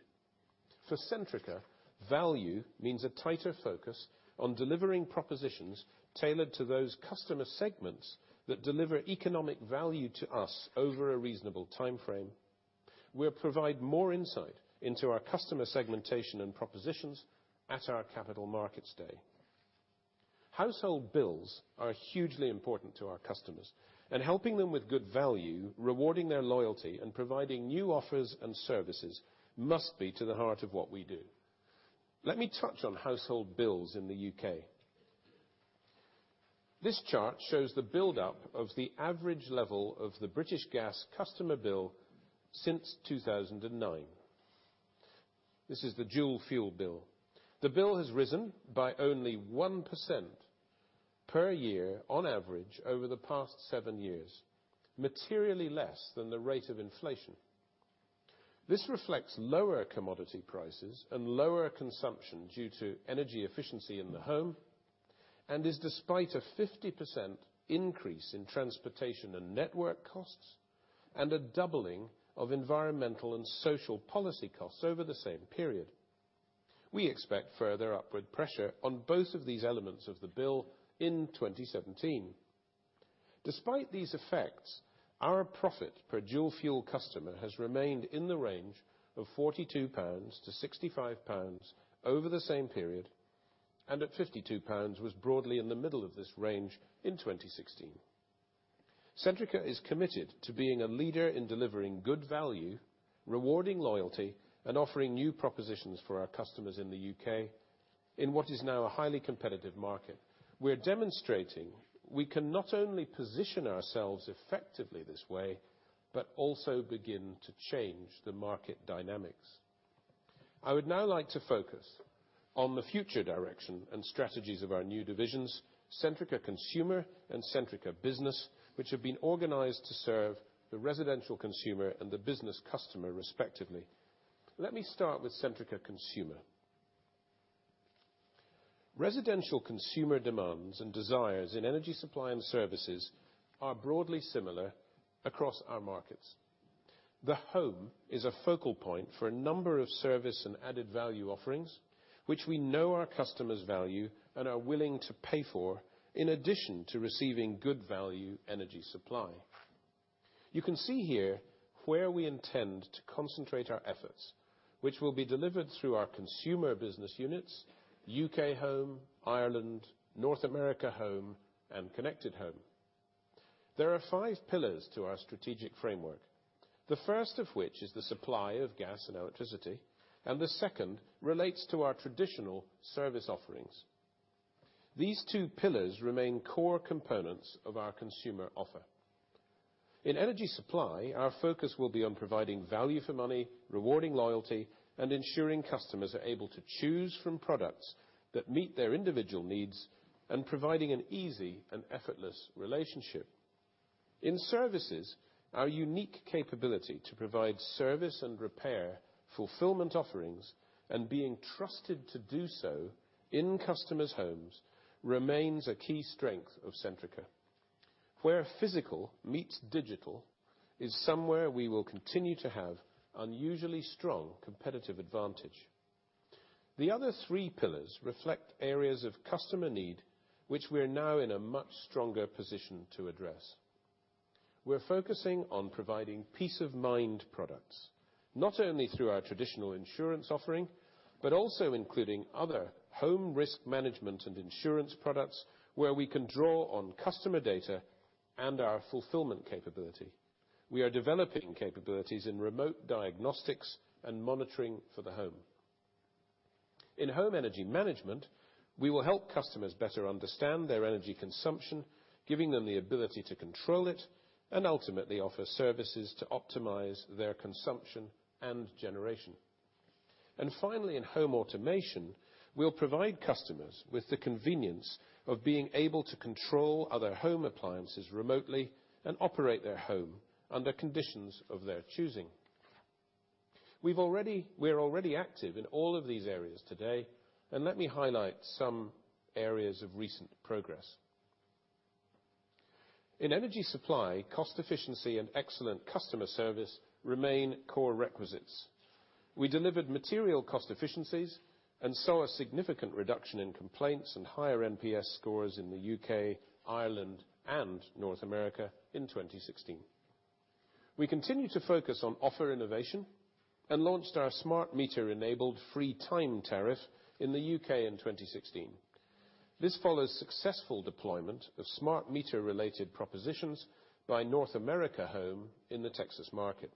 For Centrica, value means a tighter focus on delivering propositions tailored to those customer segments that deliver economic value to us over a reasonable timeframe. We'll provide more insight into our customer segmentation and propositions at our Capital Markets Day. Household bills are hugely important to our customers, and helping them with good value, rewarding their loyalty, and providing new offers and services must be to the heart of what we do. Let me touch on household bills in the U.K. This chart shows the buildup of the average level of the British Gas customer bill since 2009. This is the dual fuel bill. The bill has risen by only 1% per year on average over the past seven years, materially less than the rate of inflation. This reflects lower commodity prices and lower consumption due to energy efficiency in the home and is despite a 50% increase in transportation and network costs and a doubling of environmental and social policy costs over the same period. We expect further upward pressure on both of these elements of the bill in 2017. Despite these effects, our profit per dual fuel customer has remained in the range of 42-65 pounds over the same period, and at 52 pounds was broadly in the middle of this range in 2016. Centrica is committed to being a leader in delivering good value, rewarding loyalty, and offering new propositions for our customers in the U.K. in what is now a highly competitive market. We're demonstrating we can not only position ourselves effectively this way but also begin to change the market dynamics. I would now like to focus on the future direction and strategies of our new divisions, Centrica Consumer and Centrica Business, which have been organized to serve the residential consumer and the business customer respectively. Let me start with Centrica Consumer. Residential consumer demands and desires in energy supply and services are broadly similar across our markets. The home is a focal point for a number of service and added-value offerings, which we know our customers value and are willing to pay for, in addition to receiving good value energy supply. You can see here where we intend to concentrate our efforts, which will be delivered through our consumer business units, UK Home, Ireland, North America Home, and Connected Home. There are five pillars to our strategic framework, the first of which is the supply of gas and electricity, and the second relates to our traditional service offerings. These two pillars remain core components of our consumer offer. In energy supply, our focus will be on providing value for money, rewarding loyalty, and ensuring customers are able to choose from products that meet their individual needs, and providing an easy and effortless relationship. In services, our unique capability to provide service and repair fulfillment offerings and being trusted to do so in customers' homes remains a key strength of Centrica. Where physical meets digital is somewhere we will continue to have unusually strong competitive advantage. The other three pillars reflect areas of customer need, which we are now in a much stronger position to address. We're focusing on providing peace-of-mind products, not only through our traditional insurance offering, but also including other home risk management and insurance products where we can draw on customer data and our fulfillment capability. We are developing capabilities in remote diagnostics and monitoring for the home. In home energy management, we will help customers better understand their energy consumption, giving them the ability to control it, and ultimately offer services to optimize their consumption and generation. Finally, in home automation, we'll provide customers with the convenience of being able to control other home appliances remotely and operate their home under conditions of their choosing. We're already active in all of these areas today, and let me highlight some areas of recent progress. In energy supply, cost efficiency and excellent customer service remain core requisites. We delivered material cost efficiencies and saw a significant reduction in complaints and higher NPS scores in the U.K., Ireland, and North America in 2016. We continue to focus on offer innovation and launched our smart meter-enabled FreeTime tariff in the U.K. in 2016. This follows successful deployment of smart meter-related propositions by North America Home in the Texas market.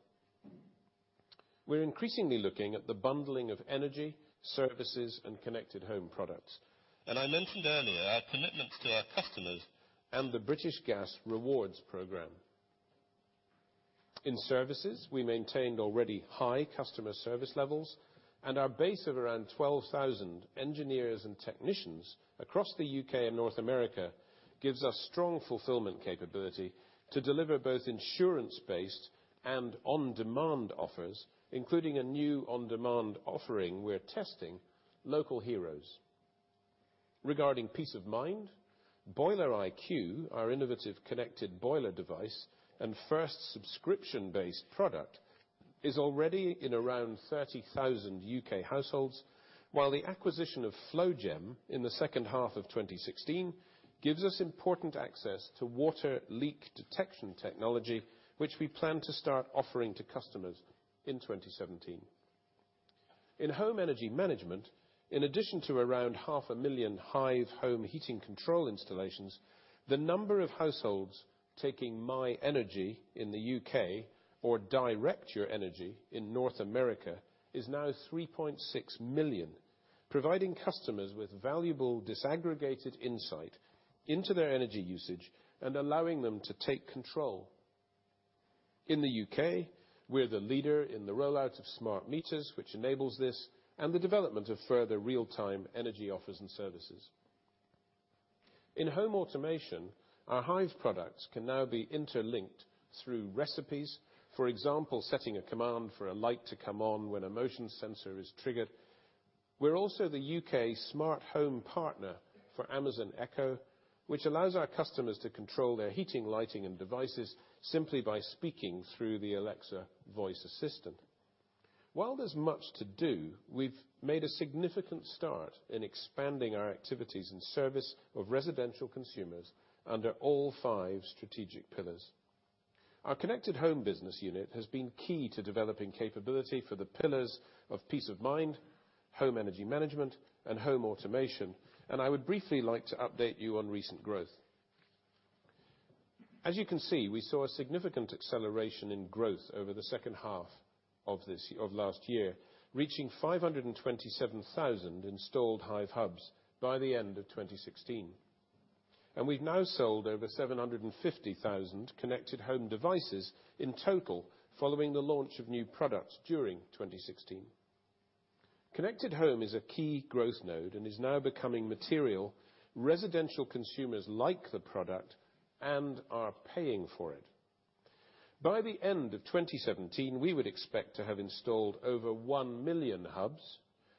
We're increasingly looking at the bundling of energy, services, and Connected Home products, and I mentioned earlier our commitments to our customers and the British Gas Rewards program. In services, we maintained already high customer service levels, and our base of around 12,000 engineers and technicians across the U.K. and North America gives us strong fulfillment capability to deliver both insurance-based and on-demand offers, including a new on-demand offering we're testing, Local Heroes. Regarding Peace of Mind, Boiler IQ, our innovative connected boiler device and first subscription-based product, is already in around 30,000 U.K. households, while the acquisition of FlowGem in the second half of 2016 gives us important access to water leak detection technology, which we plan to start offering to customers in 2017. In Home Energy Management, in addition to around half a million Hive home heating control installations, the number of households taking My Energy in the U.K. or Direct Energy in North America is now 3.6 million, providing customers with valuable disaggregated insight into their energy usage and allowing them to take control. In the U.K., we're the leader in the rollout of smart meters, which enables this and the development of further real-time energy offers and services. In Home Automation, our Hive products can now be interlinked through recipes. For example, setting a command for a light to come on when a motion sensor is triggered. We're also the U.K. smart home partner for Amazon Echo, which allows our customers to control their heating, lighting, and devices simply by speaking through the Alexa voice assistant. While there's much to do, we've made a significant start in expanding our activities and service of residential consumers under all five strategic pillars. Our Connected Home business unit has been key to developing capability for the pillars of Peace of Mind, Home Energy Management, and Home Automation. I would briefly like to update you on recent growth. As you can see, we saw a significant acceleration in growth over the second half of last year, reaching 527,000 installed Hive hubs by the end of 2016. We've now sold over 750,000 Connected Home devices in total following the launch of new products during 2016. Connected Home is a key growth node and is now becoming material. Residential consumers like the product and are paying for it. By the end of 2017, we would expect to have installed over 1 million hubs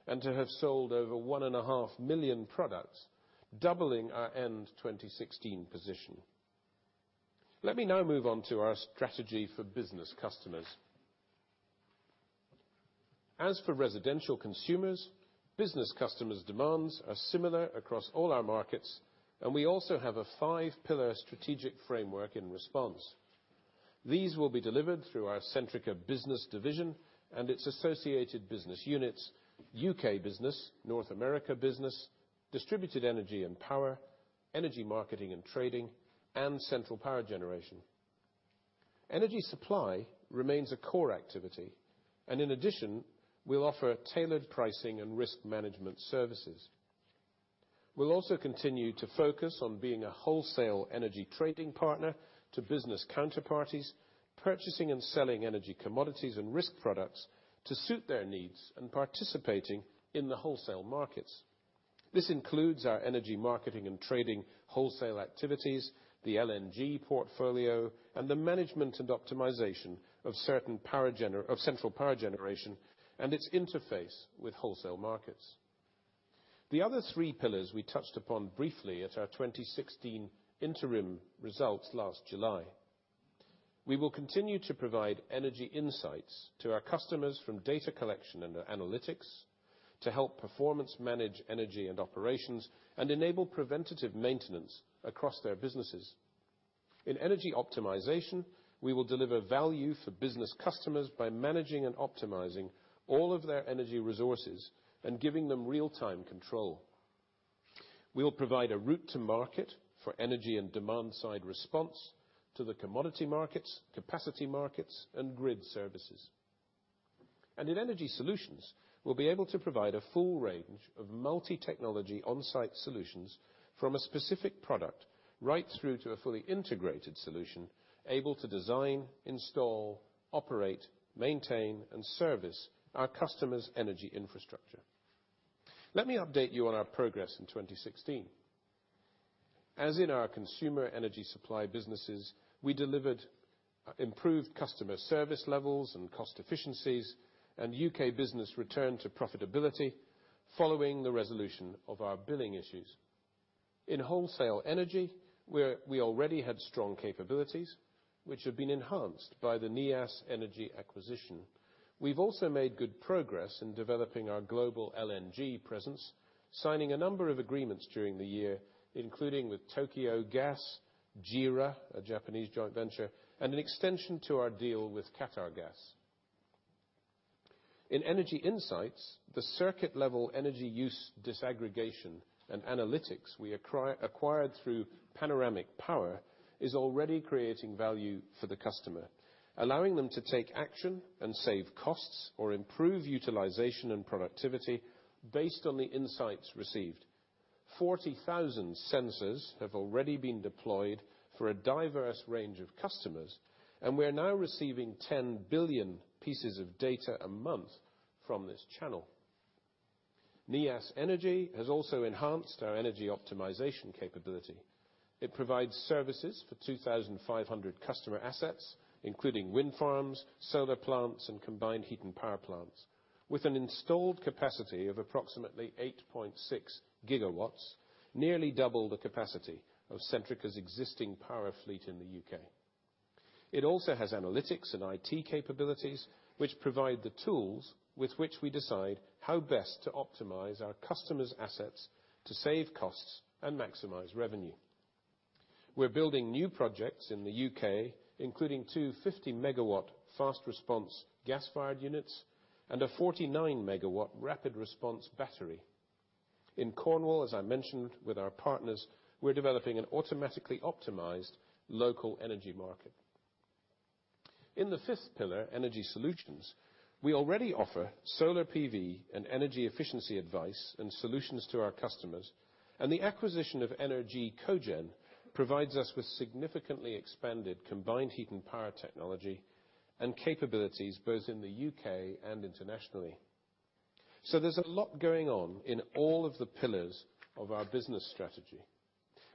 and to have sold over 1.5 million products, doubling our end 2016 position. Let me now move on to our strategy for business customers. As for residential consumers, business customers' demands are similar across all our markets, and we also have a five-pillar strategic framework in response. These will be delivered through our Centrica Business division and its associated business units, UK Business, North America Business, Distributed Energy & Power, Energy Marketing & Trading, and Centrica Power. Energy supply remains a core activity, and in addition, we'll offer tailored pricing and risk management services. We'll also continue to focus on being a wholesale energy trading partner to business counterparties, purchasing and selling energy commodities and risk products to suit their needs and participating in the wholesale markets. This includes our Energy Marketing & Trading wholesale activities, the LNG portfolio, and the management and optimization of Centrica Power and its interface with wholesale markets. The other three pillars we touched upon briefly at our 2016 interim results last July. We will continue to provide energy insights to our customers from data collection and analytics to help performance manage energy and operations and enable preventative maintenance across their businesses. In energy optimization, we will deliver value for business customers by managing and optimizing all of their energy resources and giving them real-time control. We will provide a route to market for energy and demand-side response to the commodity markets, capacity markets, and grid services. In energy solutions, we'll be able to provide a full range of multi-technology on-site solutions from a specific product right through to a fully integrated solution able to design, install, operate, maintain, and service our customers' energy infrastructure. Let me update you on our progress in 2016. As in our consumer energy supply businesses, we delivered improved customer service levels and cost efficiencies, and UK Business returned to profitability following the resolution of our billing issues. In wholesale energy, we already had strong capabilities, which have been enhanced by the Neas Energy acquisition. We've also made good progress in developing our global LNG presence, signing a number of agreements during the year, including with Tokyo Gas, JERA, a Japanese joint venture, and an extension to our deal with Qatargas. In energy insights, the circuit-level energy use disaggregation and analytics we acquired through Panoramic Power is already creating value for the customer, allowing them to take action and save costs or improve utilization and productivity based on the insights received. 40,000 sensors have already been deployed for a diverse range of customers, and we are now receiving 10 billion pieces of data a month from this channel. Neas Energy has also enhanced our energy optimization capability. It provides services for 2,500 customer assets, including wind farms, solar plants, and combined heat and power plants, with an installed capacity of approximately 8.6 gigawatts, nearly double the capacity of Centrica's existing power fleet in the U.K. It also has analytics and IT capabilities, which provide the tools with which we decide how best to optimize our customers' assets to save costs and maximize revenue. We're building new projects in the U.K., including two 50-megawatt fast response gas-fired units and a 49-megawatt rapid response battery. In Cornwall, as I mentioned, with our partners, we're developing an automatically optimized local energy market. In the fifth pillar, energy solutions, we already offer solar PV and energy efficiency advice and solutions to our customers, and the acquisition of Ener-G Cogen provides us with significantly expanded combined heat and power technology and capabilities both in the U.K. and internationally. There's a lot going on in all of the pillars of our business strategy.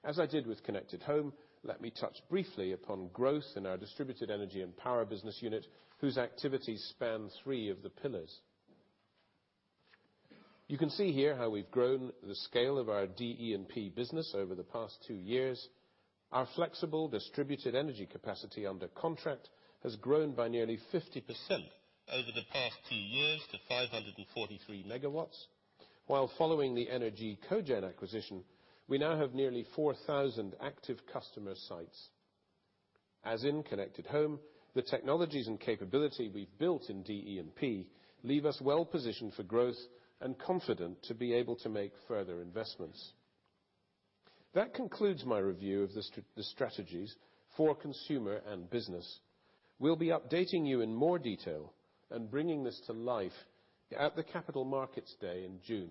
As I did with Connected Home, let me touch briefly upon growth in our Distributed Energy & Power business unit, whose activities span three of the pillars. You can see here how we've grown the scale of our DE&P business over the past two years. Our flexible distributed energy capacity under contract has grown by nearly 50% over the past two years to 543 megawatts, while following the Ener-G Cogen acquisition, we now have nearly 4,000 active customer sites. As in Connected Home, the technologies and capability we've built in DE&P leave us well-positioned for growth and confident to be able to make further investments. That concludes my review of the strategies for consumer and business. We'll be updating you in more detail and bringing this to life at the Capital Markets Day in June.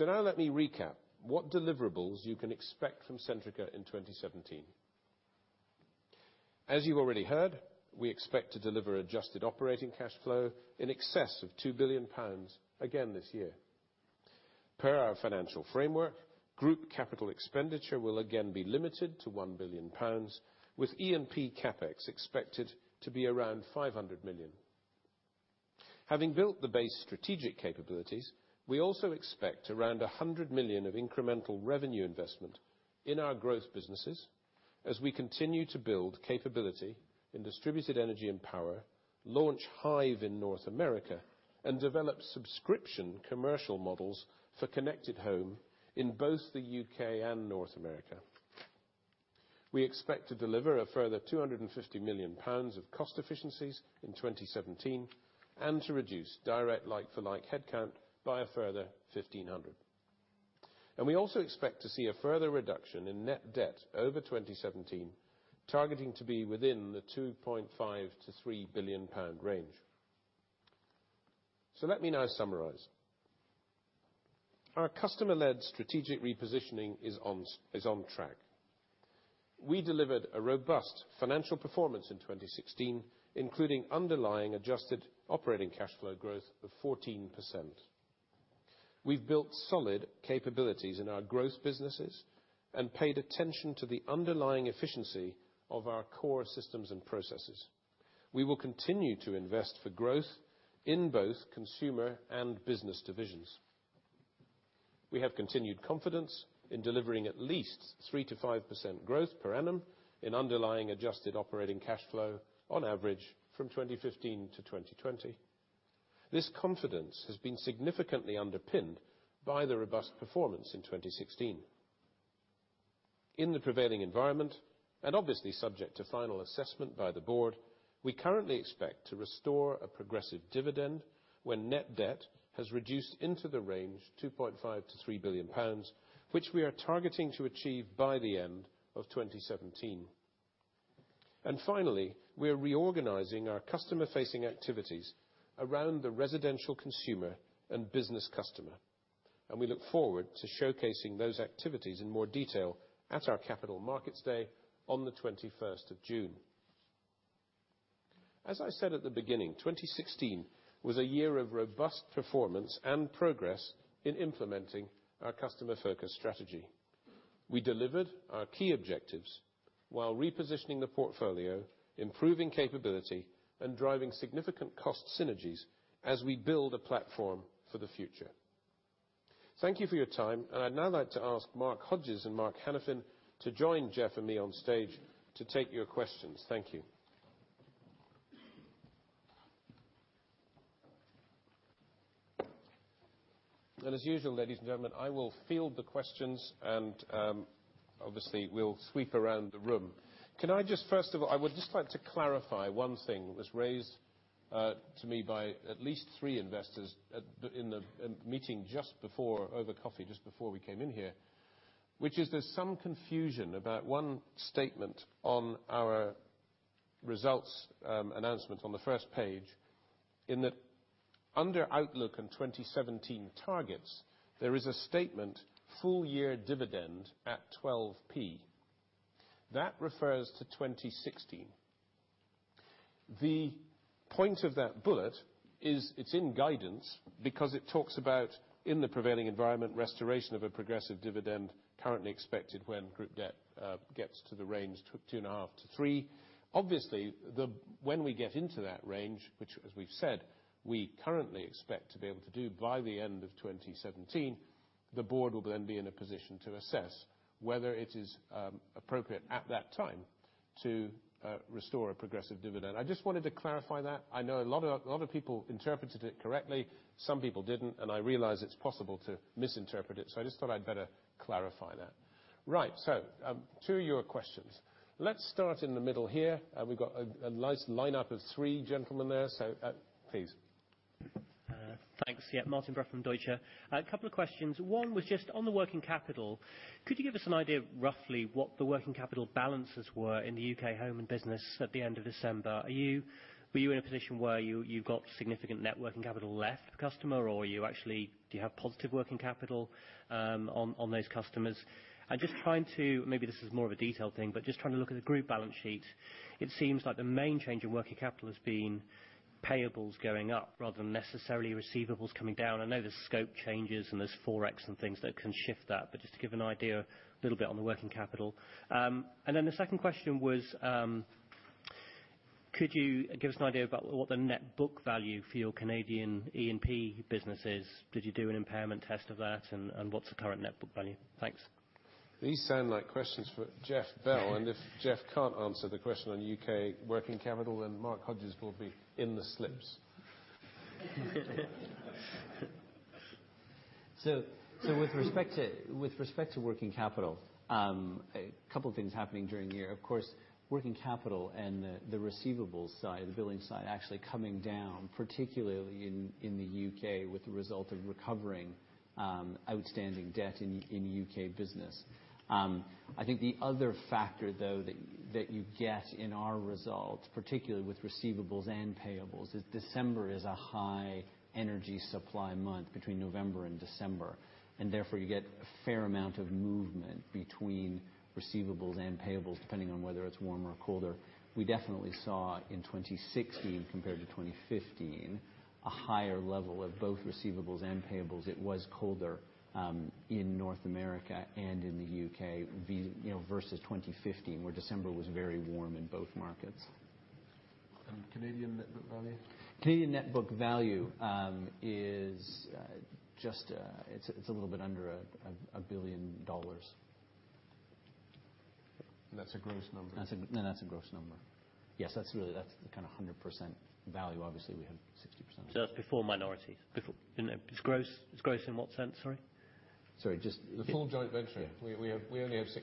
Now let me recap what deliverables you can expect from Centrica in 2017. As you've already heard, we expect to deliver adjusted operating cash flow in excess of 2 billion pounds again this year. Per our financial framework, group capital expenditure will again be limited to 1 billion pounds, with E&P CapEx expected to be around 500 million. Having built the base strategic capabilities, we also expect around 100 million of incremental revenue investment in our growth businesses as we continue to build capability in Distributed Energy & Power, launch Hive in North America, and develop subscription commercial models for Connected Home in both the U.K. and North America. We expect to deliver a further 250 million pounds of cost efficiencies in 2017, and to reduce direct like-for-like headcount by a further 1,500. We also expect to see a further reduction in net debt over 2017, targeting to be within the 2.5 billion-3 billion pound range. Let me now summarize. Our customer-led strategic repositioning is on track. We delivered a robust financial performance in 2016, including underlying adjusted operating cash flow growth of 14%. We've built solid capabilities in our growth businesses and paid attention to the underlying efficiency of our core systems and processes. We will continue to invest for growth in both consumer and business divisions. We have continued confidence in delivering at least 3%-5% growth per annum in underlying adjusted operating cash flow on average from 2015 to 2020. This confidence has been significantly underpinned by the robust performance in 2016. In the prevailing environment, and obviously subject to final assessment by the board, we currently expect to restore a progressive dividend when net debt has reduced into the range 2.5 billion-3 billion pounds, which we are targeting to achieve by the end of 2017. Finally, we are reorganizing our customer-facing activities around the residential consumer and business customer, and we look forward to showcasing those activities in more detail at our Capital Markets Day on the 21st of June. As I said at the beginning, 2016 was a year of robust performance and progress in implementing our customer-focused strategy. We delivered our key objectives while repositioning the portfolio, improving capability, and driving significant cost synergies as we build a platform for the future. Thank you for your time, and I'd now like to ask Mark Hodges and Mark Hanafin to join Jeff and me on stage to take your questions. Thank you. As usual, ladies and gentlemen, I will field the questions and, obviously, we'll sweep around the room. Can I just, first of all, I would just like to clarify one thing that was raised to me by at least three investors in the meeting just before, over coffee, just before we came in here, which is there's some confusion about one statement on our results announcement on the first page, in that under outlook and 2017 targets, there is a statement, full-year dividend at 0.12. That refers to 2016. The point of that bullet is it's in guidance because it talks about, in the prevailing environment, restoration of a progressive dividend currently expected when group debt gets to the range 2.5-3. Obviously, when we get into that range, which as we've said, we currently expect to be able to do by the end of 2017, the board will then be in a position to assess whether it is appropriate at that time to restore a progressive dividend. I just wanted to clarify that. I know a lot of people interpreted it correctly. Some people didn't, and I realize it's possible to misinterpret it, so I just thought I'd better clarify that. Right. To your questions. Let's start in the middle here. We've got a nice lineup of three gentlemen there, so, please. Thanks. Yeah. Martin Brough from Deutsche. A couple of questions. One was just on the working capital. Could you give us an idea, roughly, what the working capital balances were in the UK Home and Business at the end of December? Were you in a position where you've got significant net working capital left customer, or you actually, do you have positive working capital, on those customers? Just trying to, maybe this is more of a detail thing, but just trying to look at the group balance sheet. It seems like the main change in working capital has been payables going up rather than necessarily receivables coming down. I know there's scope changes and there's Forex and things that can shift that, but just to give an idea a little bit on the working capital. The second question was, could you give us an idea about what the net book value for your Canadian E&P business is? Did you do an impairment test of that, and what's the current net book value? Thanks. These sound like questions for Jeff Bell, and if Jeff can't answer the question on U.K. working capital, then Mark Hodges will be in the slips. With respect to working capital, a couple of things happening during the year. Of course, working capital and the receivable side, the billing side, actually coming down, particularly in the U.K. with the result of recovering outstanding debt in U.K. Business. I think the other factor, though, that you get in our results, particularly with receivables and payables, is December is a high energy supply month between November and December, and therefore you get a fair amount of movement between receivables and payables, depending on whether it's warmer or colder. We definitely saw in 2016 compared to 2015, a higher level of both receivables and payables. It was colder in North America and in the U.K. versus 2015, where December was very warm in both markets. Canadian net book value? Canadian net book value is a little bit under $1 billion. That's a gross number? No, that's a gross number. Yes, that's the kind of 100% value. Obviously, we have 60%. That's before minorities? It's gross in what sense, sorry? Sorry. The full joint venturing. Yeah. We only have 60%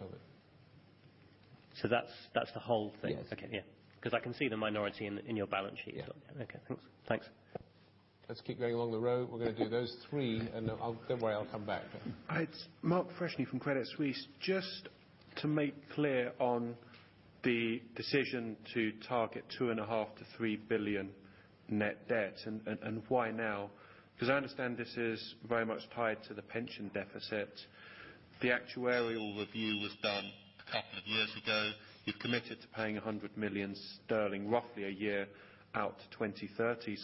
of it. That's the whole thing? Yes. Okay. Yeah. Because I can see the minority in your balance sheet. Yeah. Okay, thanks. Let's keep going along the row. We're going to do those three. Then don't worry, I'll come back. It's Mark Freshney from Credit Suisse. Just to make clear on the decision to target 2.5 billion-3 billion net debt. Why now? I understand this is very much tied to the pension deficit. The actuarial review was done a couple of years ago. You've committed to paying 100 million sterling roughly a year out to 2030.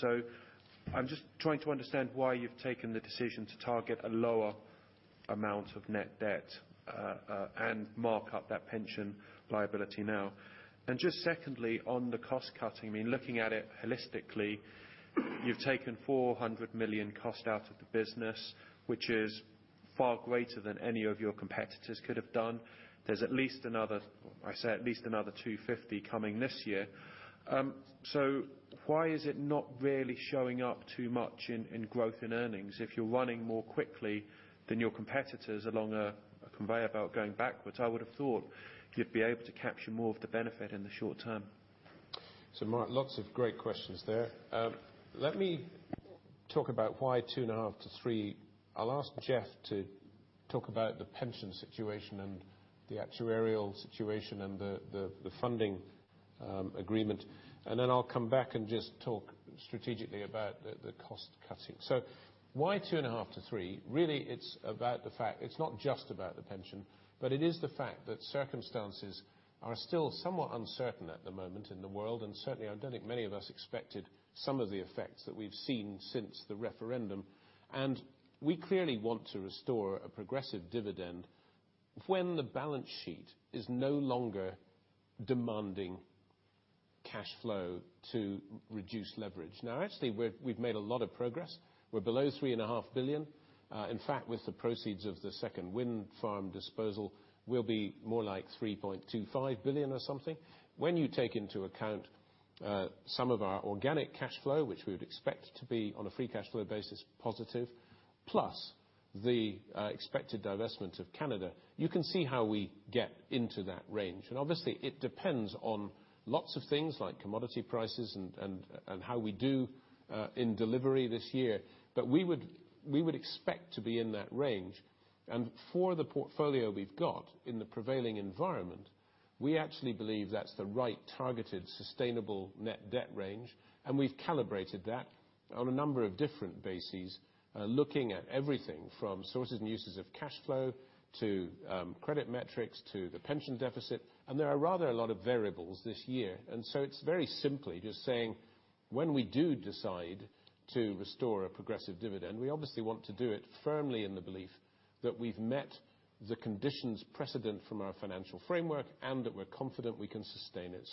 I'm just trying to understand why you've taken the decision to target a lower amount of net debt. Mark up that pension liability now. Just secondly, on the cost cutting, looking at it holistically, you've taken 400 million cost out of the business, which is far greater than any of your competitors could have done. There's at least another 250 coming this year. Why is it not really showing up too much in growth in earnings? If you're running more quickly than your competitors along a conveyor belt going backwards, I would have thought you'd be able to capture more of the benefit in the short term. Mark, lots of great questions there. Let me talk about why 2.5 billion-3 billion. I'll ask Jeff to talk about the pension situation and the actuarial situation and the funding agreement, then I'll come back and just talk strategically about the cost cutting. Why 2.5 billion-3 billion? Really, it's not just about the pension, but it is the fact that circumstances are still somewhat uncertain at the moment in the world. Certainly, I don't think many of us expected some of the effects that we've seen since the referendum. We clearly want to restore a progressive dividend when the balance sheet is no longer demanding cash flow to reduce leverage. Actually, we've made a lot of progress. We're below 3.5 billion. In fact, with the proceeds of the second wind farm disposal, we'll be more like 3.25 billion or something. When you take into account some of our organic cash flow, which we would expect to be on a free cash flow basis positive, plus the expected divestment of Canada, you can see how we get into that range. Obviously it depends on lots of things like commodity prices and how we do in delivery this year. But we would expect to be in that range. For the portfolio we've got in the prevailing environment, we actually believe that's the right targeted, sustainable net debt range. We've calibrated that on a number of different bases, looking at everything from sources and uses of cash flow, to credit metrics, to the pension deficit. There are rather a lot of variables this year. It's very simply just saying, when we do decide to restore a progressive dividend. We obviously want to do it firmly in the belief that we've met the conditions precedent from our financial framework, and that we're confident we can sustain it.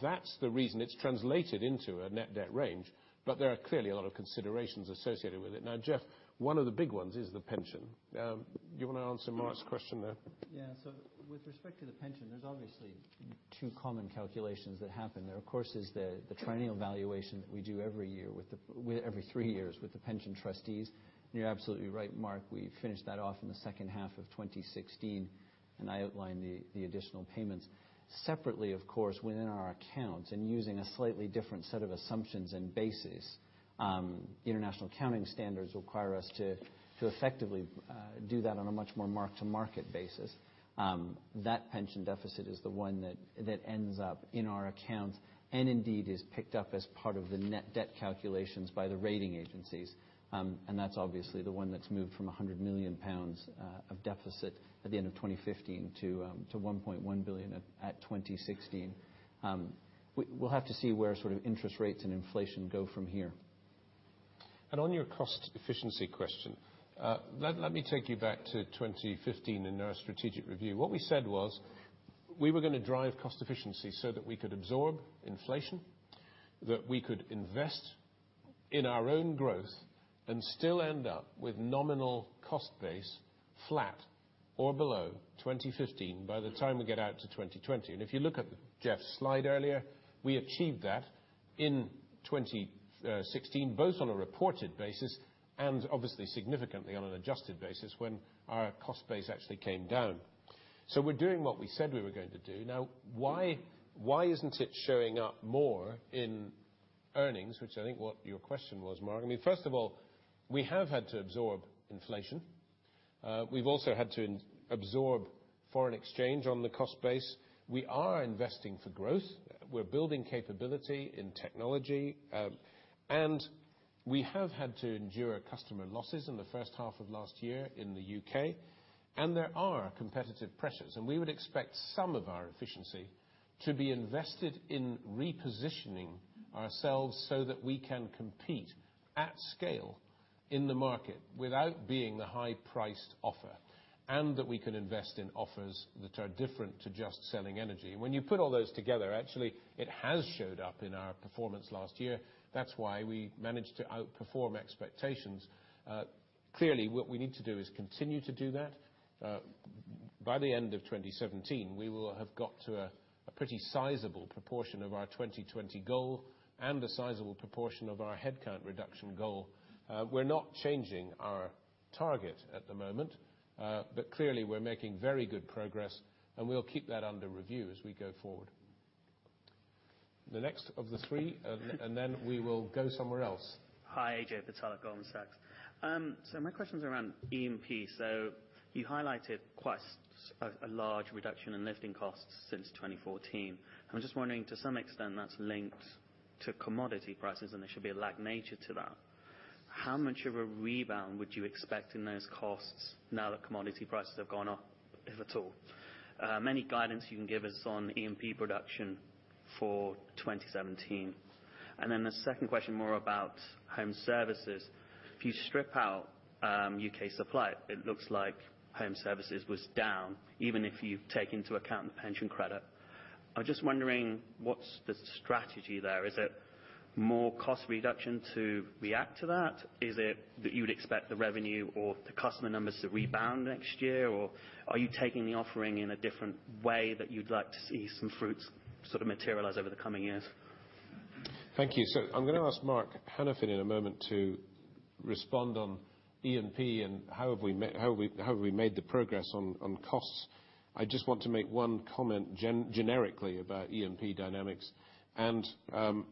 That's the reason it's translated into a net debt range, but there are clearly a lot of considerations associated with it. Jeff, one of the big ones is the pension. You want to answer Mark's question there? With respect to the pension, there is obviously two common calculations that happen. There, of course, is the triennial valuation that we do every three years with the pension trustees. You are absolutely right, Mark Freshney, we finished that off in the second half of 2016, and I outlined the additional payments. Separately, of course, within our accounts and using a slightly different set of assumptions and bases, international accounting standards require us to effectively do that on a much more mark-to-market basis. That pension deficit is the one that ends up in our accounts, and indeed is picked up as part of the net debt calculations by the rating agencies. That is obviously the one that has moved from 100 million pounds of deficit at the end of 2015 to 1.1 billion at 2016. We will have to see where interest rates and inflation go from here. On your cost efficiency question, let me take you back to 2015 and our strategic review. What we said was, we were going to drive cost efficiency so that we could absorb inflation, that we could invest in our own growth and still end up with nominal cost base flat or below 2015 by the time we get out to 2020. If you look at Jeff Bell's slide earlier, we achieved that in 2016, both on a reported basis and obviously, significantly on an adjusted basis when our cost base actually came down. So we are doing what we said we were going to do. Now, why is not it showing up more in earnings? Which I think what your question was, Mark Freshney. First of all, we have had to absorb inflation. We have also had to absorb foreign exchange on the cost base. We are investing for growth. We are building capability in technology. We have had to endure customer losses in the first half of last year in the U.K. There are competitive pressures, and we would expect some of our efficiency to be invested in repositioning ourselves so that we can compete at scale in the market without being the high-priced offer. That we can invest in offers that are different to just selling energy. When you put all those together, actually, it has showed up in our performance last year. That is why we managed to outperform expectations. Clearly, what we need to do is continue to do that. By the end of 2017, we will have got to a pretty sizable proportion of our 2020 goal and a sizable proportion of our headcount reduction goal. We are not changing our target at the moment. Clearly, we are making very good progress and we will keep that under review as we go forward. The next of the three, and then we will go somewhere else. Hi, Ajay Patel at Goldman Sachs. My question's around E&P. You highlighted quite a large reduction in lifting costs since 2014. I'm just wondering, to some extent, that's linked to commodity prices, and there should be a lag nature to that. How much of a rebound would you expect in those costs now that commodity prices have gone up, if at all? Any guidance you can give us on E&P production for 2017? The second question, more about Home Services. If you strip out U.K. supply, it looks like Home Services was down, even if you take into account the pension credit. I'm just wondering what's the strategy there? Is it more cost reduction to react to that? Is it that you would expect the revenue or the customer numbers to rebound next year? Are you taking the offering in a different way that you'd like to see some fruits materialize over the coming years? Thank you. I'm going to ask Mark Hanafin in a moment to respond on E&P and how have we made the progress on costs. I just want to make one comment generically about E&P dynamics and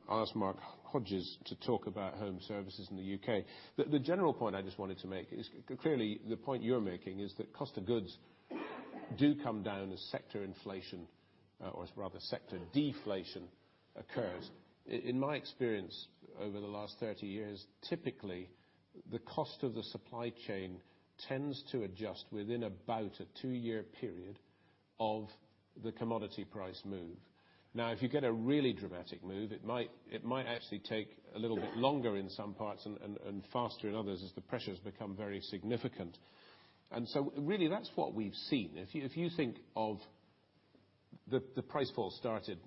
ask Mark Hodges to talk about Home Services in the U.K. The general point I just wanted to make is, clearly the point you're making is that cost of goods do come down as sector inflation, or rather sector deflation occurs. In my experience over the last 30 years, typically, the cost of the supply chain tends to adjust within about a two-year period of the commodity price move. If you get a really dramatic move, it might actually take a little bit longer in some parts and faster in others as the pressures become very significant. Really, that's what we've seen. If you think of the price fall started,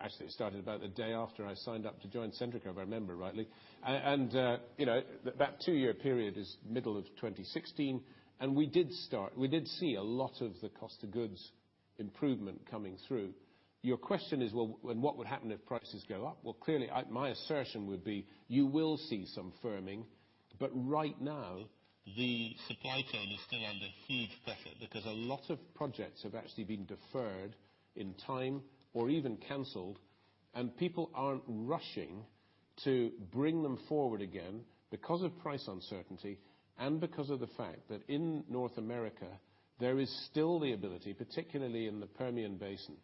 actually it started about a day after I signed up to join Centrica, if I remember rightly. That two-year period is middle of 2016, we did see a lot of the cost of goods improvement coming through. Your question is, what would happen if prices go up? Clearly my assertion would be you will see some firming, but right now the supply chain is still under huge pressure because a lot of projects have actually been deferred in time or even canceled. People aren't rushing to bring them forward again because of price uncertainty and because of the fact that in North America, there is still the ability, particularly in the Permian Basin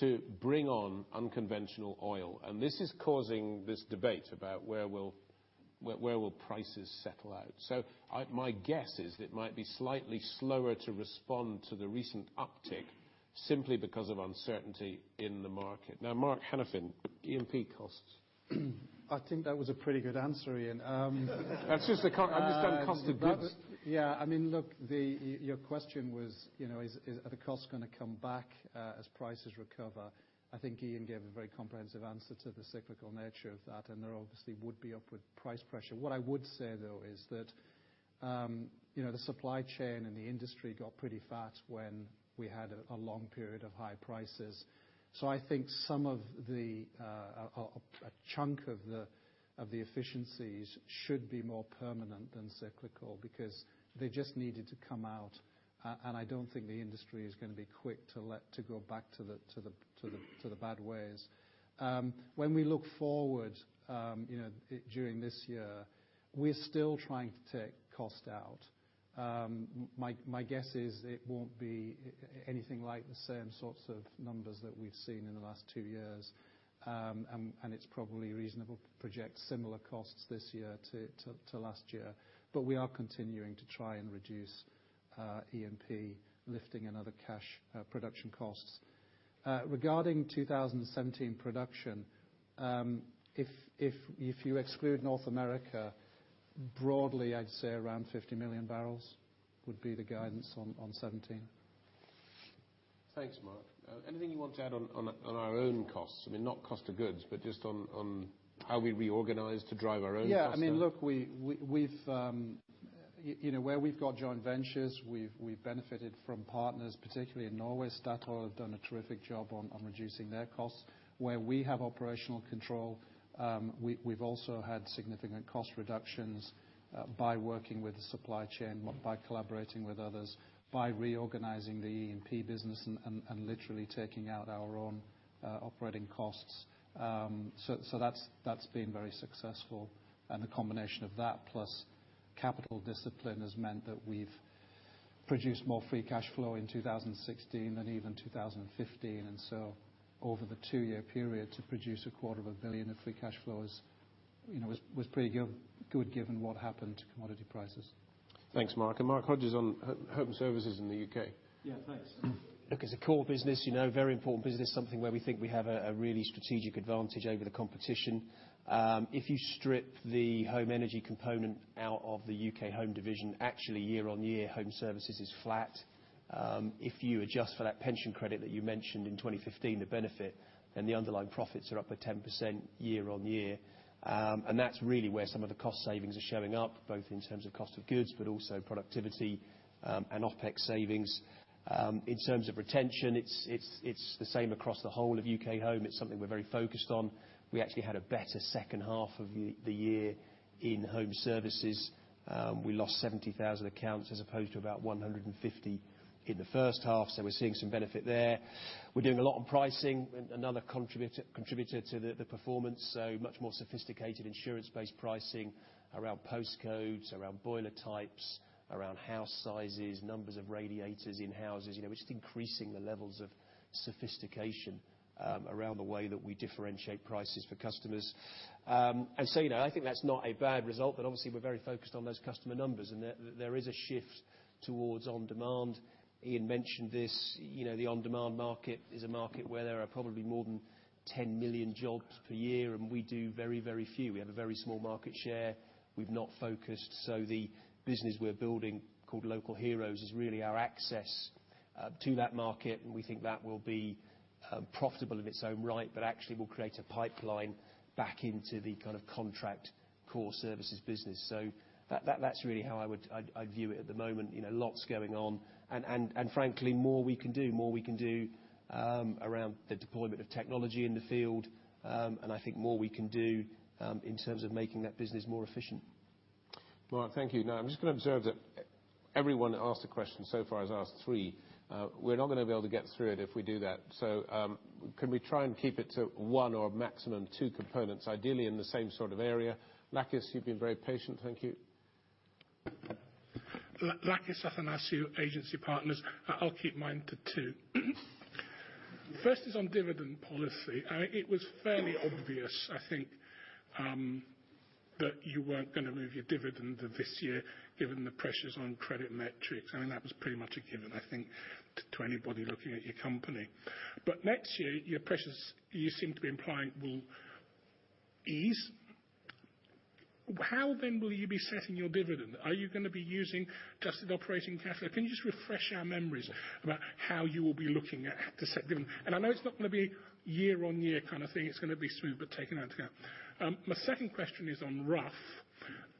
to bring on unconventional oil. This is causing this debate about where will prices settle out. My guess is it might be slightly slower to respond to the recent uptick simply because of uncertainty in the market. Mark Hanafin, E&P costs. I think that was a pretty good answer, Iain. That's just I'm just doing cost of goods. Yeah. Look, your question was, are the costs going to come back as prices recover? I think Iain gave a very comprehensive answer to the cyclical nature of that, there obviously would be upward price pressure. What I would say, though, is that the supply chain and the industry got pretty fat when we had a long period of high prices. I think a chunk of the efficiencies should be more permanent than cyclical because they just needed to come out. I don't think the industry is going to be quick to go back to the bad ways. When we look forward during this year, we're still trying to take cost out. My guess is it won't be anything like the same sorts of numbers that we've seen in the last two years. It's probably reasonable to project similar costs this year to last year. We are continuing to try and reduce E&P lifting and other cash production costs. Regarding 2017 production, if you exclude North America, broadly, I'd say around 50 million barrels would be the guidance on 2017. Thanks, Mark. Anything you want to add on our own costs? Not cost of goods, but just on how we reorganize to drive our own costs down? Yeah. Where we've got joint ventures, we've benefited from partners, particularly in Norway. Statoil have done a terrific job on reducing their costs. Where we have operational control, we've also had significant cost reductions by working with the supply chain, by collaborating with others, by reorganizing the E&P business and literally taking out our own operating costs. That's been very successful. The combination of that plus capital discipline has meant that we've produced more free cash flow in 2016 than even 2015. Over the two-year period to produce a quarter of a billion of free cash flow was pretty good given what happened to commodity prices. Thanks, Mark. Mark Hodges on home services in the U.K. Thanks. It's a core business, very important business, something where we think we have a really strategic advantage over the competition. If you strip the home energy component out of the UK Home division, actually year-on-year, home services is flat. If you adjust for that pension credit that you mentioned in 2015, the benefit and the underlying profits are up by 10% year-on-year. That's really where some of the cost savings are showing up, both in terms of cost of goods, but also productivity and OpEx savings. In terms of retention, it's the same across the whole of UK Home. It's something we're very focused on. We actually had a better second half of the year in home services. We lost 70,000 accounts as opposed to about 150 in the first half, so we're seeing some benefit there. We're doing a lot on pricing, another contributor to the performance. Much more sophisticated insurance-based pricing around postcodes, around boiler types, around house sizes, numbers of radiators in houses. We're just increasing the levels of sophistication around the way that we differentiate prices for customers. I think that's not a bad result, but obviously we're very focused on those customer numbers, and there is a shift towards on-demand. Iain mentioned this. The on-demand market is a market where there are probably more than 10 million jobs per year, and we do very, very few. We have a very small market share. We've not focused. The business we're building called Local Heroes is really our access to that market, and we think that will be profitable in its own right but actually will create a pipeline back into the kind of contract core services business. That's really how I view it at the moment. Lots going on. Frankly, more we can do. More we can do around the deployment of technology in the field. I think more we can do in terms of making that business more efficient. Mark, thank you. I'm just going to observe that everyone asked a question so far has asked three. We're not going to be able to get through it if we do that. Can we try and keep it to one or maximum two components, ideally in the same sort of area? Lakis, you've been very patient. Thank you. Lakis Athanasiou, Agency Partners. I'll keep mine to two. First is on dividend policy. It was fairly obvious, I think, that you weren't going to move your dividend this year given the pressures on credit metrics. That was pretty much a given, I think, to anybody looking at your company. Next year, your pressures, you seem to be implying will ease. How then will you be setting your dividend? Are you going to be using adjusted operating cash flow? Can you just refresh our memories about how you will be looking at to set dividend? I know it's not going to be year on year kind of thing. It's going to be smooth but taken out. My second question is on Rough.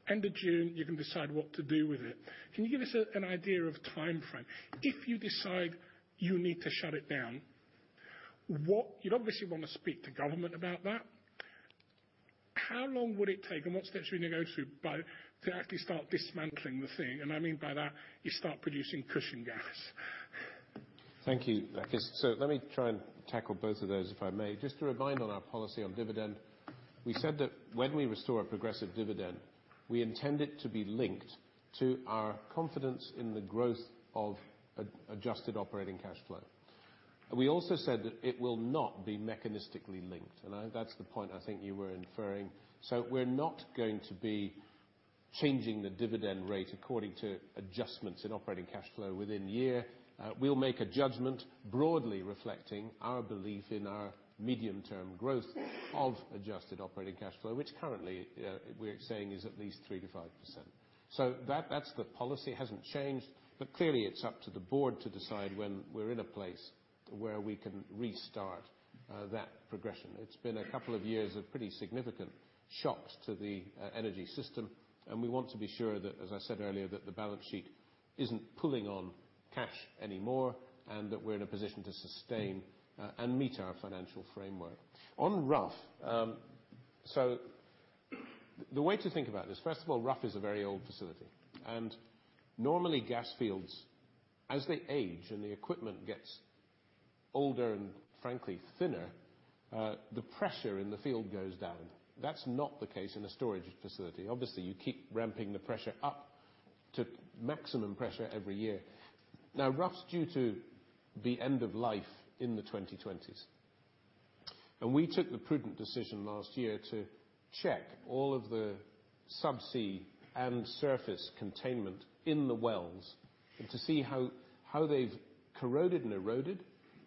End of June, you can decide what to do with it. Can you give us an idea of timeframe? If you decide you need to shut it down, you'd obviously want to speak to government about that. How long would it take and what steps you're going to go through to actually start dismantling the thing? I mean by that, you start producing cushion gas. Thank you, Lakis. Let me try and tackle both of those, if I may. Just to remind on our policy on dividend. We said that when we restore a progressive dividend, we intend it to be linked to our confidence in the growth of adjusted operating cash flow. We also said that it will not be mechanistically linked, and that's the point I think you were inferring. We're not going to be changing the dividend rate according to adjustments in operating cash flow within the year. We'll make a judgment broadly reflecting our belief in our medium-term growth of adjusted operating cash flow, which currently we're saying is at least 3% to 5%. That's the policy, hasn't changed. Clearly, it's up to the board to decide when we're in a place where we can restart that progression. It's been a couple of years of pretty significant shocks to the energy system, we want to be sure that, as I said earlier, that the balance sheet isn't pulling on cash anymore, and that we're in a position to sustain and meet our financial framework. On Rough, the way to think about this, first of all, Rough is a very old facility. Normally gas fields, as they age and the equipment gets older and frankly thinner, the pressure in the field goes down. That's not the case in a storage facility. Obviously, you keep ramping the pressure up to maximum pressure every year. Rough's due to be end of life in the 2020s. We took the prudent decision last year to check all of the sub-sea and surface containment in the wells to see how they've corroded and eroded,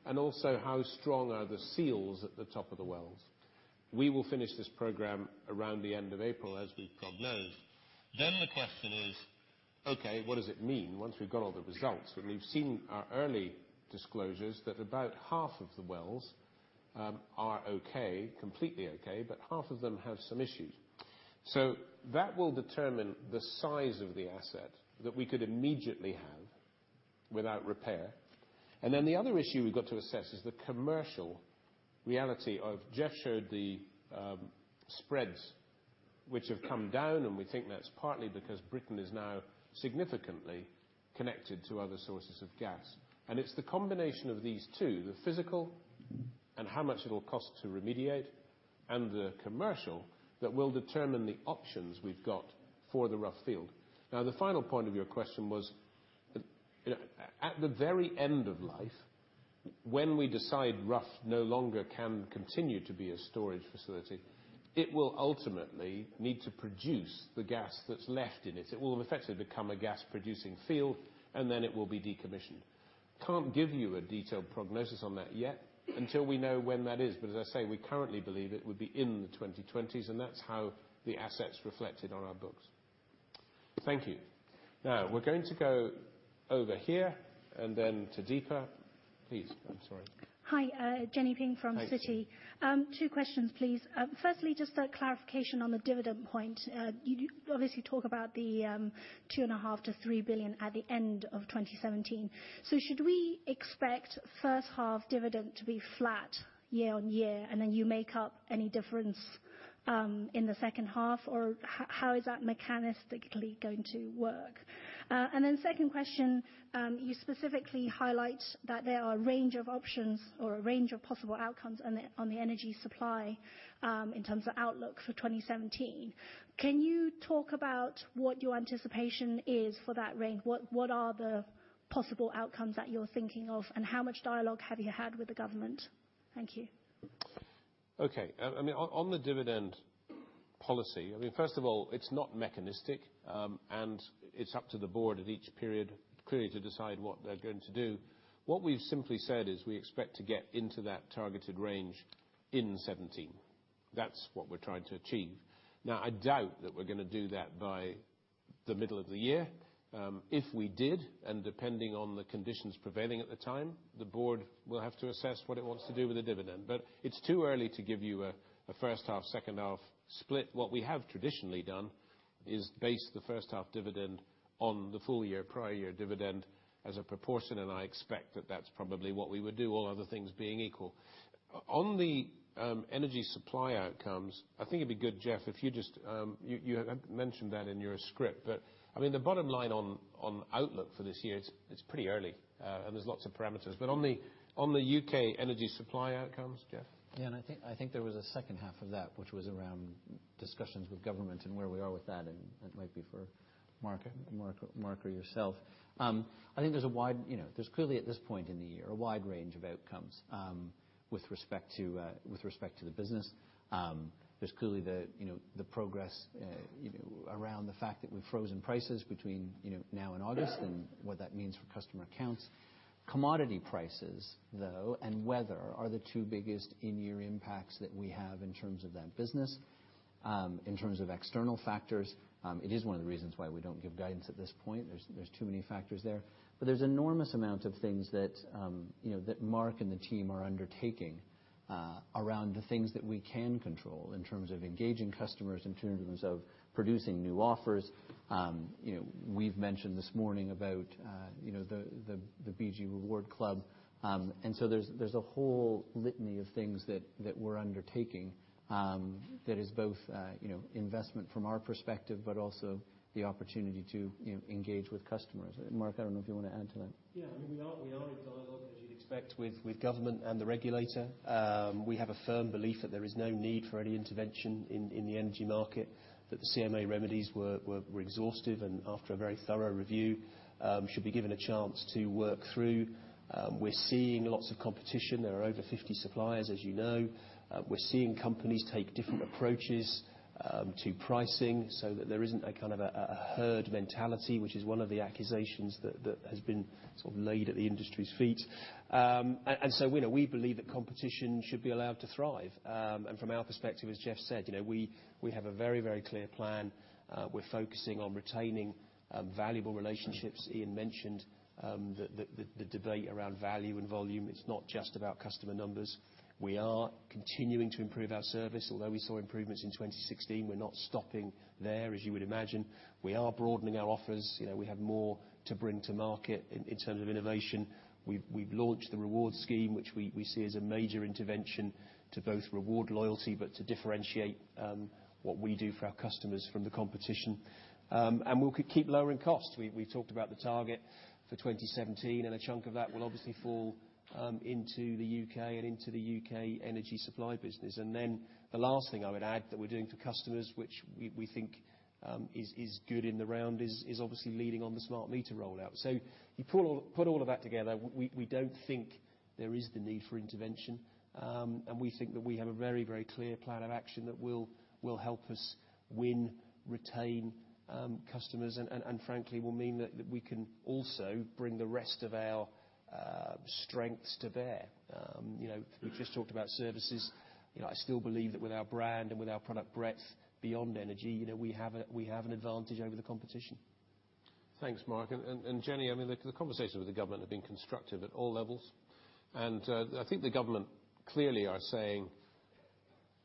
and also how strong are the seals at the top of the wells. We will finish this program around the end of April, as we've prognosed. The question is, okay, what does it mean once we've got all the results? We've seen our early disclosures that about half of the wells are okay, completely okay, but half of them have some issues. That will determine the size of the asset that we could immediately have without repair. The other issue we've got to assess is the commercial reality of, Jeff showed the spreads which have come down, and we think that's partly because Britain is now significantly connected to other sources of gas. It's the combination of these two, the physical and how much it'll cost to remediate, and the commercial, that will determine the options we've got for the Rough field. The final point of your question was at the very end of life, when we decide Rough no longer can continue to be a storage facility, it will ultimately need to produce the gas that's left in it. It will effectively become a gas-producing field, and then it will be decommissioned. Can't give you a detailed prognosis on that yet until we know when that is. As I say, we currently believe it would be in the 2020s, and that's how the asset's reflected on our books. Thank you. We're going to go over here and then to Deepa. Please. I'm sorry. Hi, Jenny Ping from Citi. Hi, Jenny. Two questions, please. Firstly, just a clarification on the dividend point. You obviously talk about the 2.5 billion-3 billion at the end of 2017. Should we expect first half dividend to be flat year-on-year, and then you make up any difference in the second half, or how is that mechanistically going to work? Second question, you specifically highlight that there are a range of options or a range of possible outcomes on the energy supply in terms of outlook for 2017. Can you talk about what your anticipation is for that range? What are the possible outcomes that you're thinking of, and how much dialogue have you had with the government? Thank you. Okay. On the dividend policy, first of all, it's not mechanistic, and it's up to the board at each period clearly to decide what they're going to do. What we've simply said is we expect to get into that targeted range in 2017. That's what we're trying to achieve. I doubt that we're going to do that by the middle of the year. If we did, and depending on the conditions prevailing at the time, the board will have to assess what it wants to do with the dividend. It's too early to give you a first half/second half split. What we have traditionally done is base the first half dividend on the full year prior year dividend as a proportion, and I expect that that's probably what we would do, all other things being equal. On the energy supply outcomes, I think it'd be good, Jeff, if you had mentioned that in your script. The bottom line on outlook for this year, it's pretty early, and there's lots of parameters. On the U.K. energy supply outcomes, Jeff? I think there was a second half of that, which was around discussions with government and where we are with that, and that might be for Mark or yourself. I think there's clearly at this point in the year, a wide range of outcomes with respect to the business. There's clearly the progress around the fact that we've frozen prices between now and August and what that means for customer accounts. Commodity prices, though, and weather are the two biggest in-year impacts that we have in terms of that business. In terms of external factors, it is one of the reasons why we don't give guidance at this point. There's too many factors there. There's enormous amount of things that Mark and the team are undertaking around the things that we can control in terms of engaging customers, in terms of producing new offers. We've mentioned this morning about the British Gas Rewards. There's a whole litany of things that we're undertaking, that is both investment from our perspective, but also the opportunity to engage with customers. Mark, I don't know if you want to add to that. Yeah. We are in dialogue, as you'd expect, with government and the regulator. We have a firm belief that there is no need for any intervention in the energy market, that the CMA remedies were exhausted, and after a very thorough review, should be given a chance to work through. We're seeing lots of competition. There are over 50 suppliers, as you know. We're seeing companies take different approaches to pricing so that there isn't a kind of a herd mentality, which is one of the accusations that has been sort of laid at the industry's feet. We believe that competition should be allowed to thrive. From our perspective, as Jeff said, we have a very clear plan. We're focusing on retaining valuable relationships. Ian mentioned the debate around value and volume. It's not just about customer numbers. We are continuing to improve our service. Although we saw improvements in 2016, we're not stopping there, as you would imagine. We are broadening our offers. We have more to bring to market in terms of innovation. We've launched the reward scheme, which we see as a major intervention to both reward loyalty, but to differentiate what we do for our customers from the competition. We'll keep lowering costs. We talked about the target for 2017, and a chunk of that will obviously fall into the U.K. and into the U.K. energy supply business. The last thing I would add that we're doing for customers, which we think is good in the round, is obviously leading on the smart meter rollout. You put all of that together, we don't think there is the need for intervention. We think that we have a very clear plan of action that will help us win, retain customers, and frankly, will mean that we can also bring the rest of our strengths to bear. We just talked about services. I still believe that with our brand and with our product breadth beyond energy, we have an advantage over the competition. Thanks, Mark. Jenny, the conversations with the government have been constructive at all levels, and I think the government clearly are saying,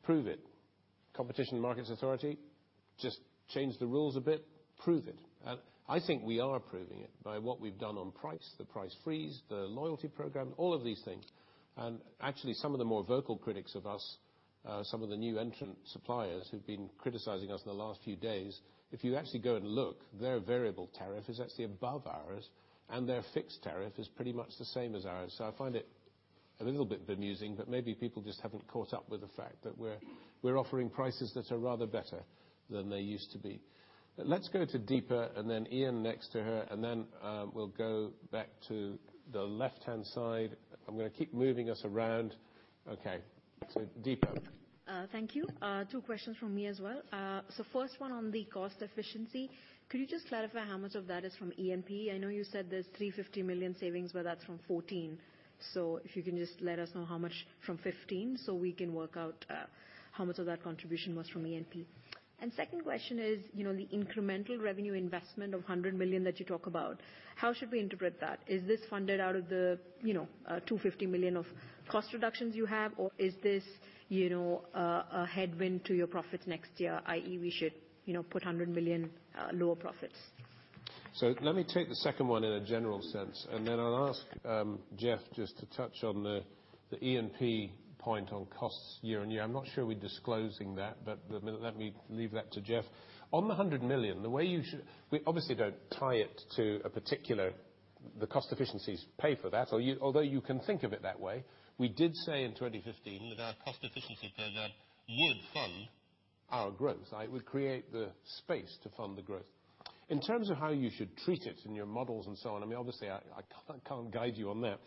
"Prove it." Competition and Markets Authority, just change the rules a bit, prove it. I think we are proving it by what we've done on price, the price freeze, the loyalty program, all of these things. Actually, some of the more vocal critics of us, some of the new entrant suppliers who've been criticizing us in the last few days, if you actually go and look, their variable tariff is actually above ours, and their fixed tariff is pretty much the same as ours. I find it a little bit bemusing, but maybe people just haven't caught up with the fact that we're offering prices that are rather better than they used to be. Let's go to Deepa, then Iain next to her, then we'll go back to the left-hand side. I'm going to keep moving us around. Okay. Deepa. Thank you. Two questions from me as well. First one on the cost efficiency. Could you just clarify how much of that is from E&P? I know you said there's 350 million savings, but that's from 2014. If you can just let us know how much from 2015, so we can work out how much of that contribution was from E&P. Second question is, the incremental revenue investment of 100 million that you talk about, how should we interpret that? Is this funded out of the 250 million of cost reductions you have, or is this a headwind to your profits next year, i.e., we should put 100 million lower profits? Let me take the second one in a general sense, then I'll ask Jeff just to touch on the E&P point on costs year-on-year. I'm not sure we're disclosing that, but let me leave that to Jeff. On the 100 million, we obviously don't tie it to The cost efficiencies pay for that. Although you can think of it that way, we did say in 2015 that our cost efficiency program would fund our growth. It would create the space to fund the growth. In terms of how you should treat it in your models and so on, obviously I can't guide you on that.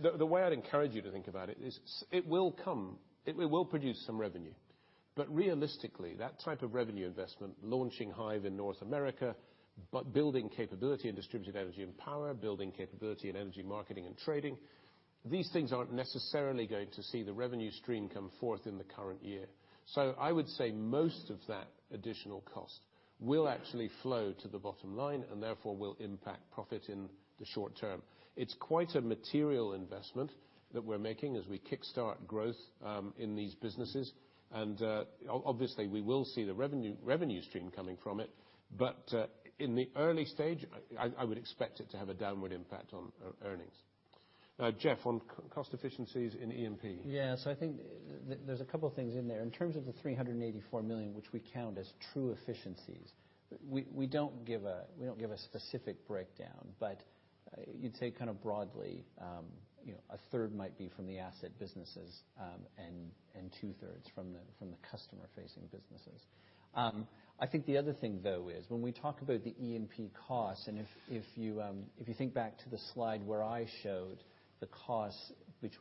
The way I'd encourage you to think about it is, it will come. It will produce some revenue. Realistically, that type of revenue investment, launching Hive in North America, building capability in Distributed Energy & Power, building capability in Energy Marketing & Trading, these things aren't necessarily going to see the revenue stream come forth in the current year. I would say most of that additional cost will actually flow to the bottom line and therefore will impact profit in the short term. It's quite a material investment that we're making as we kickstart growth in these businesses. Obviously, we will see the revenue stream coming from it. In the early stage, I would expect it to have a downward impact on earnings. Jeff, on cost efficiencies in E&P. I think there's a couple things in there. In terms of the 384 million, which we count as true efficiencies, we don't give a specific breakdown, but you'd say kind of broadly, a third might be from the asset businesses and two-thirds from the customer-facing businesses. I think the other thing, though, is when we talk about the E&P cost, and if you think back to the slide where I showed the cost that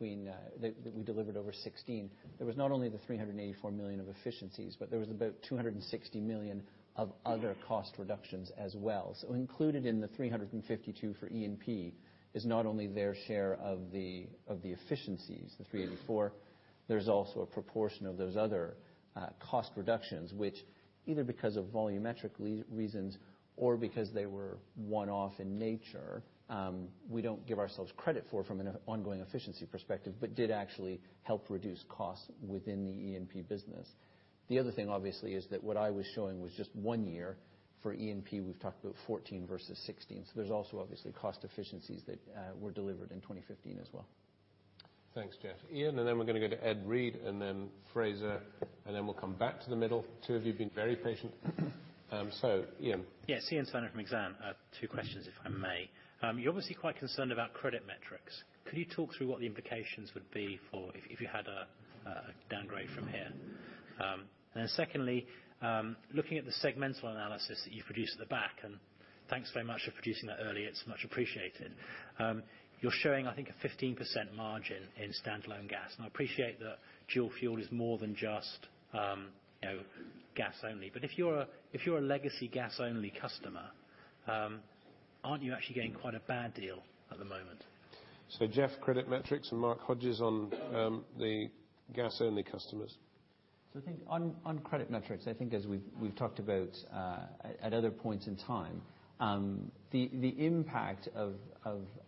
we delivered over 2016, there was not only the 384 million of efficiencies, but there was about 260 million of other cost reductions as well. Included in the 352 for E&P is not only their share of the efficiencies, the 384, there's also a proportion of those other cost reductions, which either because of volumetric reasons or because they were one-off in nature, we don't give ourselves credit for from an ongoing efficiency perspective, but did actually help reduce costs within the E&P business. The other thing, obviously, is that what I was showing was just one year for E&P, we've talked about 2014 versus 2016. There's also obviously cost efficiencies that were delivered in 2015 as well. Thanks, Jeff. Iain, then we're going to go to Ed Reid, then Fraser, then we'll come back to the middle. Two of you have been very patient. Iain. Yes. Ian Spiner from Exane. Two questions, if I may. You're obviously quite concerned about credit metrics. Could you talk through what the implications would be if you had a downgrade from here? Secondly, looking at the segmental analysis that you've produced at the back, and thanks very much for producing that early, it's much appreciated. You're showing, I think, a 15% margin in standalone gas. I appreciate that dual fuel is more than just gas only. If you're a legacy gas-only customer, aren't you actually getting quite a bad deal at the moment? Jeff, credit metrics, Mark Hodges on the gas-only customers. I think on credit metrics, I think as we've talked about at other points in time, the impact of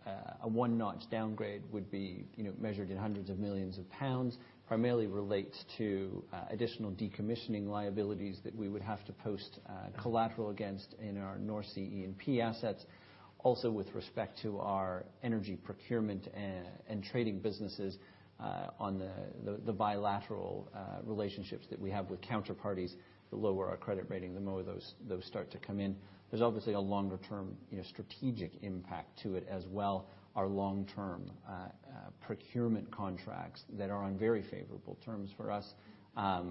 a one-notch downgrade would be measured in hundreds of millions of GBP, primarily relates to additional decommissioning liabilities that we would have to post collateral against in our North Sea E&P assets. Also with respect to our energy procurement and trading businesses on the bilateral relationships that we have with counterparties. The lower our credit rating, the more those start to come in. There's obviously a longer term strategic impact to it as well. Our long-term procurement contracts that are on very favorable terms for us are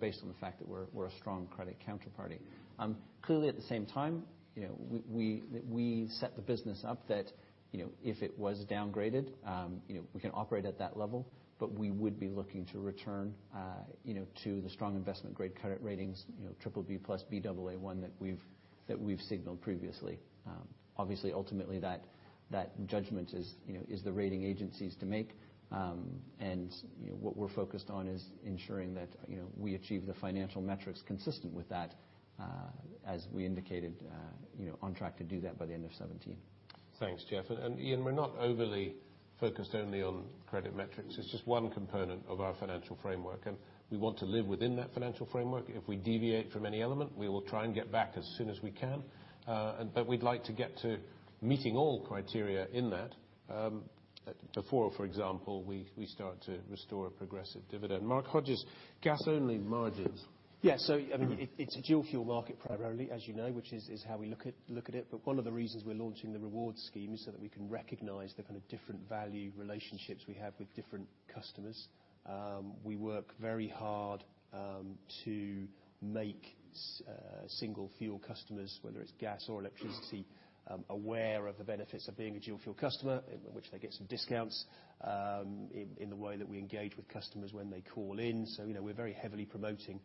based on the fact that we're a strong credit counterparty. Clearly at the same time, we set the business up that if it was downgraded, we can operate at that level, but we would be looking to return to the strong investment grade credit ratings, BBB+, Baa1 that we've signaled previously. Obviously, ultimately that judgment is the rating agencies to make. What we're focused on is ensuring that we achieve the financial metrics consistent with that, as we indicated on track to do that by the end of 2017. Thanks, Jeff. Iain, we're not overly focused only on credit metrics. It's just one component of our financial framework, and we want to live within that financial framework. If we deviate from any element, we will try and get back as soon as we can. We'd like to get to meeting all criteria in that before, for example, we start to restore a progressive dividend. Mark Hodges, gas-only margins. Yeah. It's a dual fuel market primarily, as you know, which is how we look at it. One of the reasons we're launching the reward scheme is so that we can recognize the kind of different value relationships we have with different customers. We work very hard to make single fuel customers, whether it's gas or electricity, aware of the benefits of being a dual fuel customer, in which they get some discounts, in the way that we engage with customers when they call in. We're very heavily promoting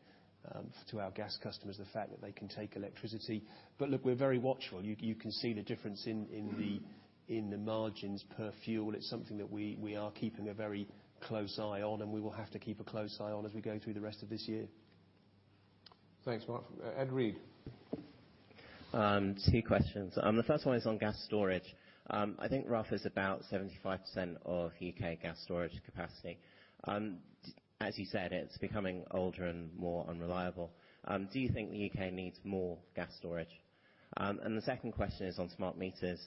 to our gas customers the fact that they can take electricity. Look, we're very watchful. You can see the difference in the margins per fuel. It's something that we are keeping a very close eye on, and we will have to keep a close eye on as we go through the rest of this year. Thanks, Mark. Ed Reid. Two questions. The first one is on gas storage. I think Rough is about 75% of U.K. gas storage capacity. As you said, it's becoming older and more unreliable. Do you think the U.K. needs more gas storage? The second question is on smart meters.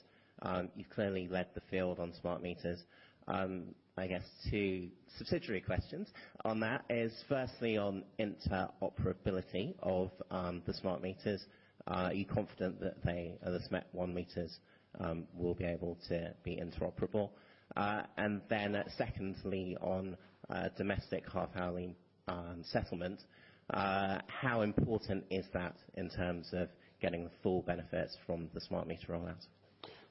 You've clearly led the field on smart meters. I guess two subsidiary questions on that is firstly on interoperability of the smart meters. Are you confident that the SMETS1 meters will be able to be interoperable? Secondly, on domestic half-hourly settlement, how important is that in terms of getting the full benefits from the smart meter rollout?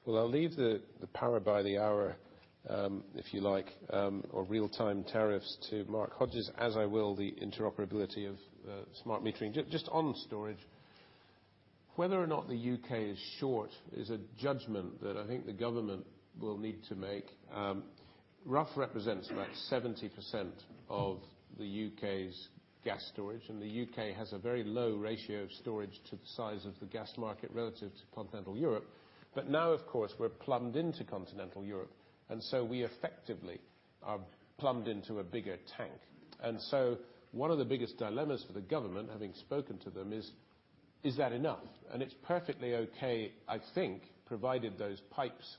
Well, I'll leave the power by the hour, if you like, or real-time tariffs to Mark Hodges, as I will the interoperability of smart metering. Just on storage, whether or not the U.K. is short is a judgment that I think the government will need to make. Rough represents about 70% of the U.K.'s gas storage, and the U.K. has a very low ratio of storage to the size of the gas market relative to continental Europe. Now, of course, we're plumbed into continental Europe, so we effectively are plumbed into a bigger tank. One of the biggest dilemmas for the government, having spoken to them, is that enough? It's perfectly okay, I think, provided those pipes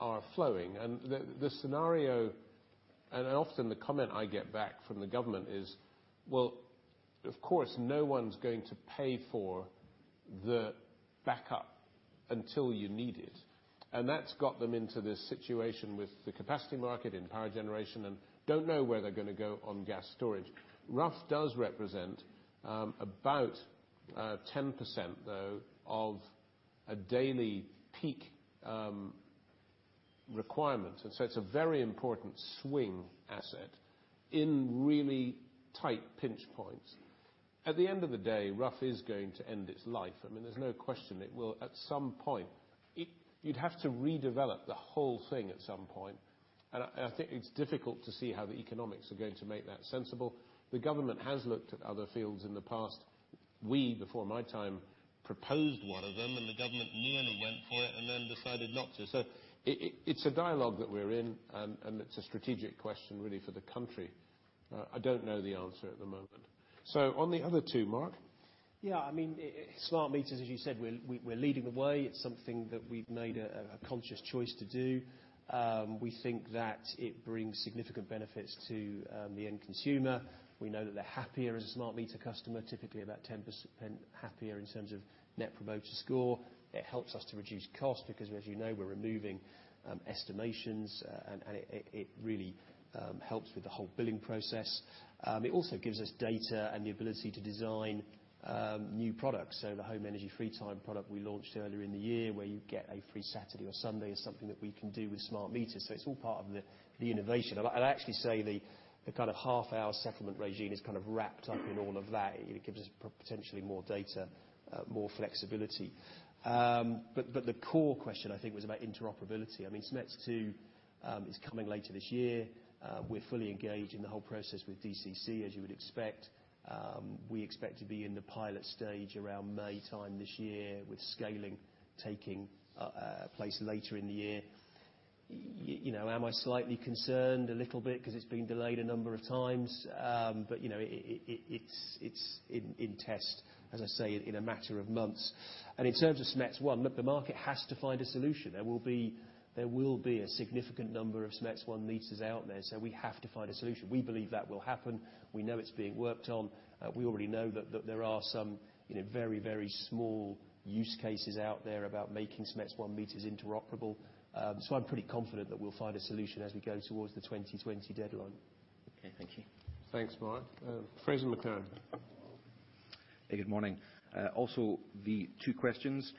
are flowing. The scenario, and often the comment I get back from the government is, well, of course, no one's going to pay for the backup until you need it. That's got them into this situation with the capacity market in power generation and don't know where they're going to go on gas storage. Rough does represent about 10%, though, of a daily peak requirement, and so it's a very important swing asset in really tight pinch points. At the end of the day, Rough is going to end its life. There's no question it will at some point. You'd have to redevelop the whole thing at some point. I think it's difficult to see how the economics are going to make that sensible. The government has looked at other fields in the past. We, before my time, proposed one of them, and the government nearly went for it and then decided not to. It's a dialogue that we're in, and it's a strategic question, really, for the country. I don't know the answer at the moment. On the other two, Mark? Yeah, smart meters, as you said, we're leading the way. It's something that we've made a conscious choice to do. We think that it brings significant benefits to the end consumer. We know that they're happier as a smart meter customer, typically about 10% happier in terms of net promoter score. It helps us to reduce cost because, as you know, we're removing estimations, and it really helps with the whole billing process. It also gives us data and the ability to design new products. The HomeEnergy FreeTime product we launched earlier in the year, where you get a free Saturday or Sunday, is something that we can do with smart meters. It's all part of the innovation. I'd actually say the kind of half-hour settlement regime is kind of wrapped up in all of that. It gives us potentially more data, more flexibility. The core question, I think, was about interoperability. SMETS2 is coming later this year. We're fully engaged in the whole process with DCC, as you would expect. We expect to be in the pilot stage around May this year, with scaling taking place later in the year. Am I slightly concerned a little bit because it's been delayed a number of times? It's in test, as I say, in a matter of months. In terms of SMETS1, look, the market has to find a solution. There will be a significant number of SMETS1 meters out there, so we have to find a solution. We believe that will happen. We know it's being worked on. We already know that there are some very small use cases out there about making SMETS1 meters interoperable. I'm pretty confident that we'll find a solution as we go towards the 2020 deadline. Okay. Thank you. Thanks, Mark. Fraser McCann. Good morning. The two questions.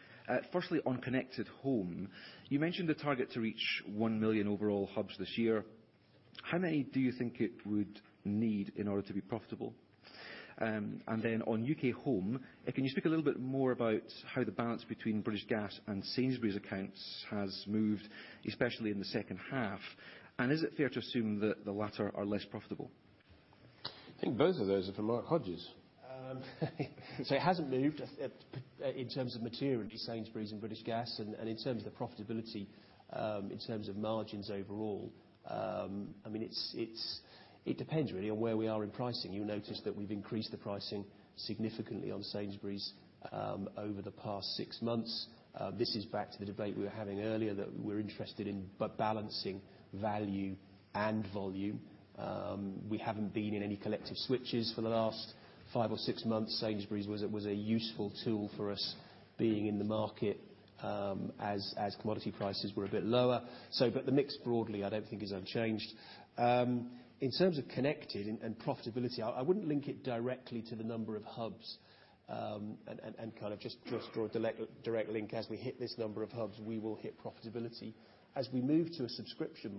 Firstly, on Connected Home, you mentioned the target to reach 1 million overall hubs this year. How many do you think it would need in order to be profitable? On U.K. Home, can you speak a little bit more about how the balance between British Gas and Sainsbury's accounts has moved, especially in the second half? Is it fair to assume that the latter are less profitable? I think both of those are for Mark Hodges. It hasn't moved in terms of materially Sainsbury's and British Gas and in terms of the profitability, in terms of margins overall. It depends really on where we are in pricing. You notice that we've increased the pricing significantly on Sainsbury's over the past 6 months. This is back to the debate we were having earlier, that we're interested in balancing value and volume. We haven't been in any collective switches for the last 5 or 6 months. Sainsbury's was a useful tool for us, being in the market as commodity prices were a bit lower. The mix broadly, I don't think, has unchanged. In terms of connected and profitability, I wouldn't link it directly to the number of hubs and kind of just draw a direct link, as we hit this number of hubs, we will hit profitability. As we move to a subscription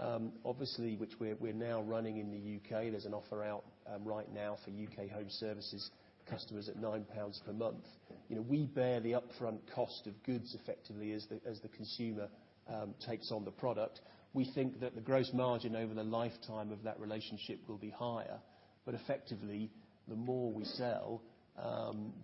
model, obviously, which we're now running in the U.K., there's an offer out right now for U.K. Home services customers at 9 pounds per month. We bear the upfront cost of goods effectively as the consumer takes on the product. We think that the gross margin over the lifetime of that relationship will be higher. Effectively, the more we sell,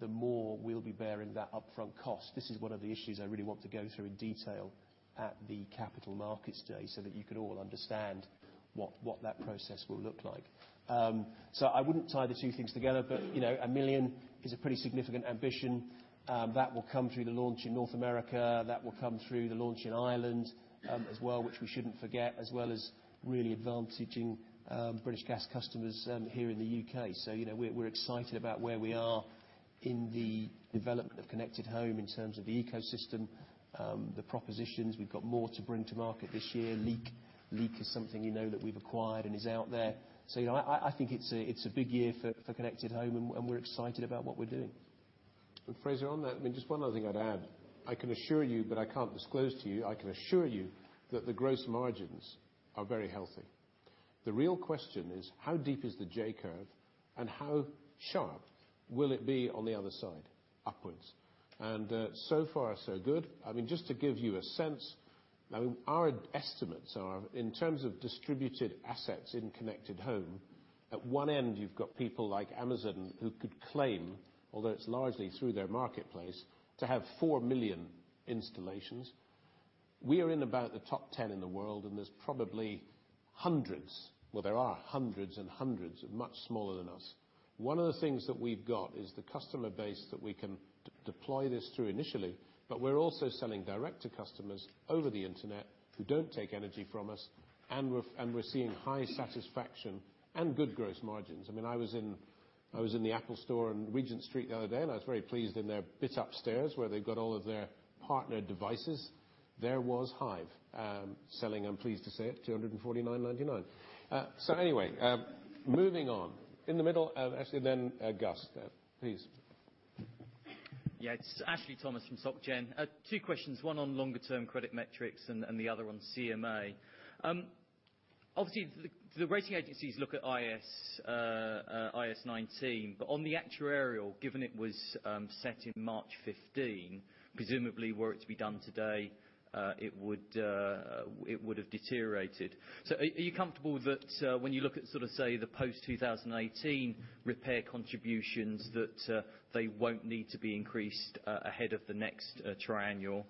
the more we'll be bearing that upfront cost. This is one of the issues I really want to go through in detail at the Capital Markets Roadshow, so that you can all understand what that process will look like. I wouldn't tie the two things together, but 1 million is a pretty significant ambition. That will come through the launch in North America. That will come through the launch in Ireland as well, which we shouldn't forget, as well as really advantaging British Gas customers here in the U.K. We're excited about where we are in the development of Connected Home in terms of the ecosystem, the propositions. We've got more to bring to market this year. LeakBot is something you know that we've acquired and is out there. I think it's a big year for Connected Home, and we're excited about what we're doing. Fraser, on that, just one other thing I'd add. I can assure you, but I can't disclose to you, I can assure you that the gross margins are very healthy. The real question is, how deep is the J-curve, and how sharp will it be on the other side upwards? So far, so good. Just to give you a sense, our estimates are in terms of distributed assets in Connected Home, at one end, you've got people like Amazon who could claim, although it's largely through their marketplace, to have 4 million installations. We are in about the top 10 in the world, and there's probably hundreds, well, there are hundreds and hundreds much smaller than us. One of the things that we've got is the customer base that we can deploy this through initially, but we're also selling direct to customers over the internet who don't take energy from us, and we're seeing high satisfaction and good gross margins. I was in the Apple store on Regent Street the other day, and I was very pleased in their bit upstairs where they've got all of their partnered devices. There was Hive selling, I'm pleased to say it, 249.99. Anyway, moving on. In the middle and actually then Gus. Please. Yeah. It's Ashley Thomas from Soc Gen. 2 questions, one on longer-term credit metrics and the other on CMA. Obviously, the rating agencies look at IAS 19. But on the actuarial, given it was set in March 2015, presumably were it to be done today, it would have deteriorated. Are you comfortable that when you look at the post-2018 repair contributions, that they won't need to be increased ahead of the next triannual?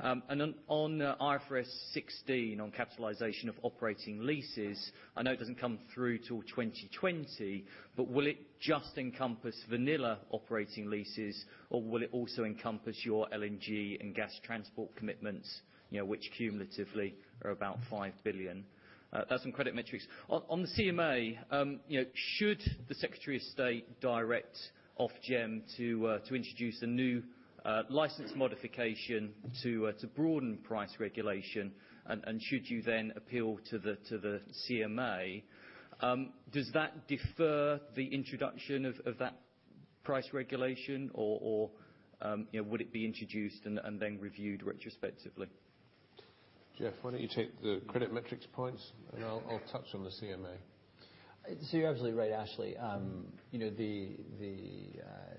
And on IFRS 16, on capitalization of operating leases, I know it doesn't come through till 2020, but will it just encompass vanilla operating leases, or will it also encompass your LNG and gas transport commitments, which cumulatively are about 5 billion? That's on credit metrics. Should the Secretary of State direct Ofgem to introduce a new license modification to broaden price regulation, and should you then appeal to the CMA, does that defer the introduction of that price regulation, or would it be introduced and then reviewed retrospectively? Jeff, why don't you take the credit metrics points, and I'll touch on the CMA. You're absolutely right, Ashley. The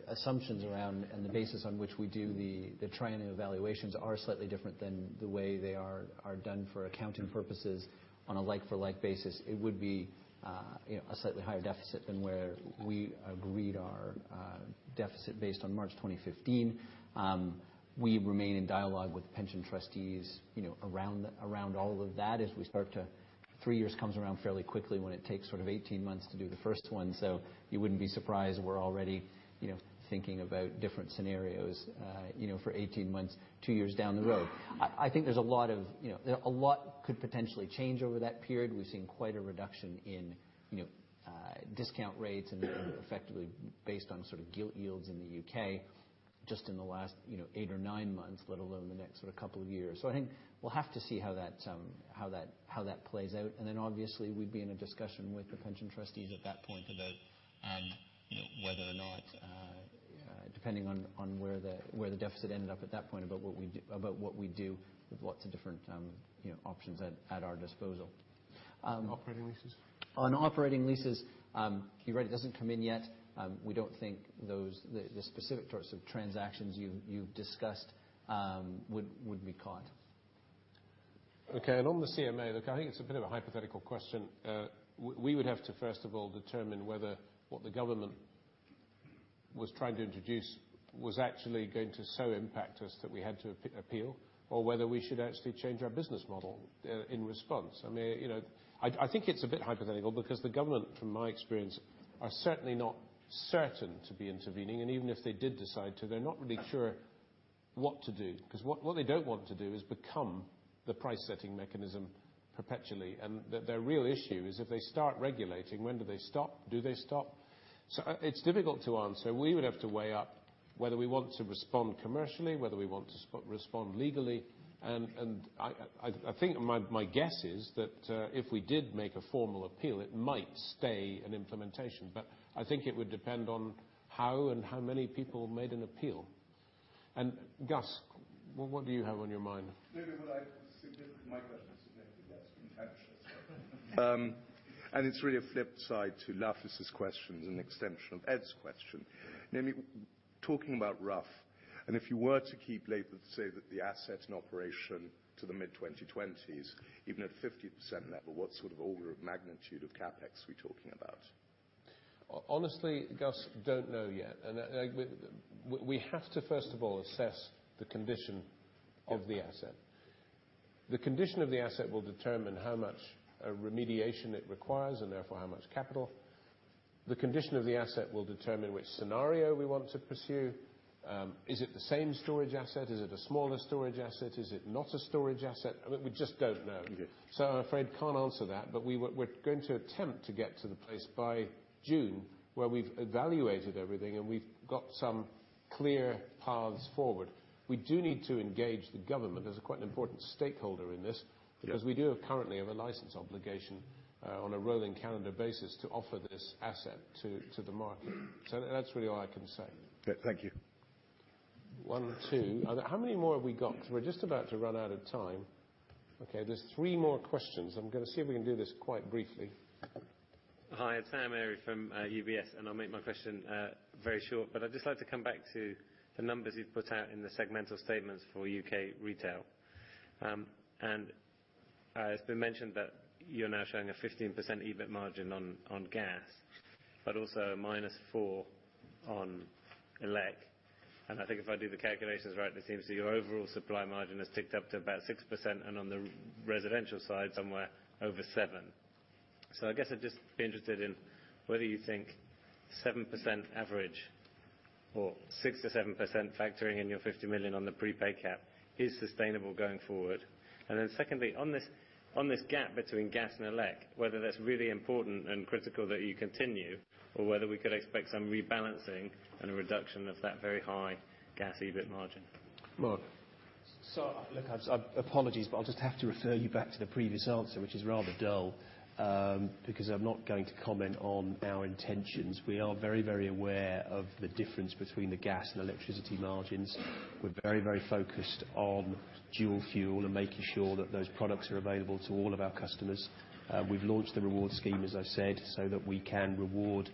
assumptions around and the basis on which we do the triannual evaluations are slightly different than the way they are done for accounting purposes on a like-for-like basis. It would be a slightly higher deficit than where we agreed our deficit based on March 2015. We remain in dialogue with pension trustees around all of that as we start to Three years comes around fairly quickly when it takes 18 months to do the first one. You wouldn't be surprised we're already thinking about different scenarios for 18 months, two years down the road. I think a lot could potentially change over that period. We've seen quite a reduction in discount rates and effectively based on gilt yields in the U.K. just in the last eight or nine months, let alone the next couple of years. I think we'll have to see how that plays out. Obviously, we'd be in a discussion with the pension trustees at that point about whether or not, depending on where the deficit ended up at that point, about what we do with lots of different options at our disposal. Operating leases. On operating leases, you're right, it doesn't come in yet. We don't think the specific sorts of transactions you've discussed would be caught. Okay. On the CMA, look, I think it's a bit of a hypothetical question. We would have to first of all determine whether what the government was trying to introduce was actually going to so impact us that we had to appeal, or whether we should actually change our business model in response. I think it's a bit hypothetical because the government, from my experience, are certainly not certain to be intervening, and even if they did decide to, they're not really sure what to do, because what they don't want to do is become the price-setting mechanism perpetually. Their real issue is if they start regulating, when do they stop? Do they stop? It's difficult to answer. We would have to weigh up whether we want to respond commercially, whether we want to respond legally. I think my guess is that if we did make a formal appeal, it might stay an implementation. I think it would depend on how and how many people made an appeal. Gus, what do you have on your mind? Maybe my question is significantly less contentious. It's really a flip side to Lakis' question and an extension of Ed's question. Namely, talking about Rough, if you were to keep labor to say that the asset in operation to the mid-2020s, even at 50% level, what sort of order of magnitude of CapEx are we talking about? Honestly, Gus, don't know yet. We have to first of all assess the condition of the asset. The condition of the asset will determine how much remediation it requires, and therefore how much capital. The condition of the asset will determine which scenario we want to pursue. Is it the same storage asset? Is it a smaller storage asset? Is it not a storage asset? We just don't know. Okay. I'm afraid I can't answer that, but we're going to attempt to get to the place by June where we've evaluated everything and we've got some clear paths forward. We do need to engage the government as a quite an important stakeholder in this. Yeah We do currently have a license obligation on a rolling calendar basis to offer this asset to the market. That's really all I can say. Okay. Thank you. One, two. How many more have we got? We're just about to run out of time. There's three more questions. I'm going to see if we can do this quite briefly. Hi, it's Sam Arie from UBS. I'll make my question very short, but I'd just like to come back to the numbers you've put out in the segmental statements for U.K. retail. It's been mentioned that you're now showing a 15% EBIT margin on gas, but also a minus four on elec. I think if I do the calculations right, it seems that your overall supply margin has ticked up to about 6% and on the residential side, somewhere over seven. I guess I'd just be interested in whether you think 7% average or 6%-7% factoring in your 50 million on the prepaid cap is sustainable going forward. Secondly, on this gap between gas and elec, whether that's really important and critical that you continue, or whether we could expect some rebalancing and a reduction of that very high gas EBIT margin. Mark? Look, apologies, but I'll just have to refer you back to the previous answer, which is rather dull. I'm not going to comment on our intentions. We are very aware of the difference between the gas and electricity margins. We're very focused on dual fuel and making sure that those products are available to all of our customers. We've launched the reward scheme, as I've said, we can reward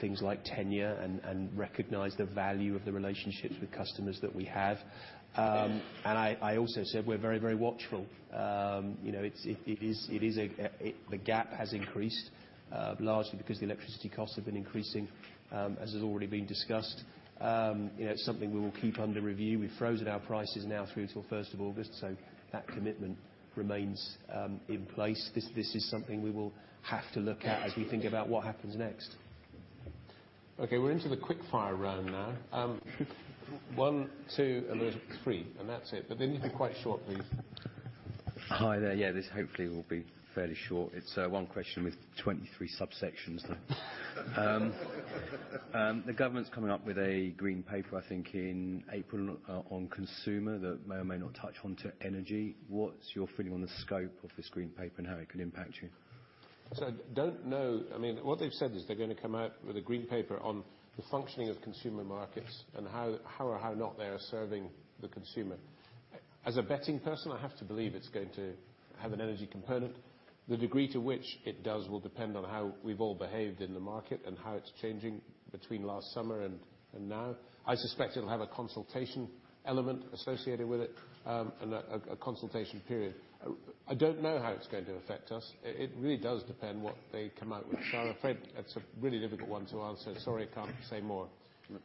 things like tenure and recognize the value of the relationships with customers that we have. I also said we're very watchful. The gap has increased, largely the electricity costs have been increasing, as has already been discussed. It's something we will keep under review. We've frozen our prices now through till 1st of August, that commitment remains in place. This is something we will have to look at as we think about what happens next. Okay, we're into the quick-fire round now. One, two, and there's three, and that's it. They need to be quite short, please. Hi there. Yeah, this hopefully will be fairly short. It's one question with 23 subsections. The government's coming up with a green paper, I think in April, on consumer that may or may not touch on to energy. What's your feeling on the scope of this green paper and how it can impact you? I don't know. What they've said is they're going to come out with a green paper on the functioning of consumer markets and how or how not they are serving the consumer. As a betting person, I have to believe it's going to have an energy component. The degree to which it does will depend on how we've all behaved in the market and how it's changing between last summer and now. I suspect it'll have a consultation element associated with it, and a consultation period. I don't know how it's going to affect us. It really does depend what they come out with. I'm afraid it's a really difficult one to answer. Sorry, can't say more. No.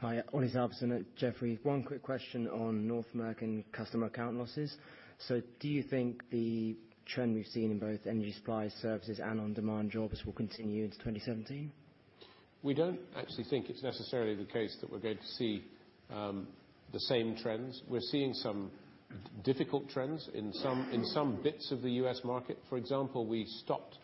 Hi. Ollie Sanderson at Jefferies. One quick question on North American customer account losses. Do you think the trend we've seen in both energy supply services and on-demand jobs will continue into 2017? We don't actually think it's necessarily the case that we're going to see the same trends. We're seeing some difficult trends in some bits of the U.S. market. For example, we stopped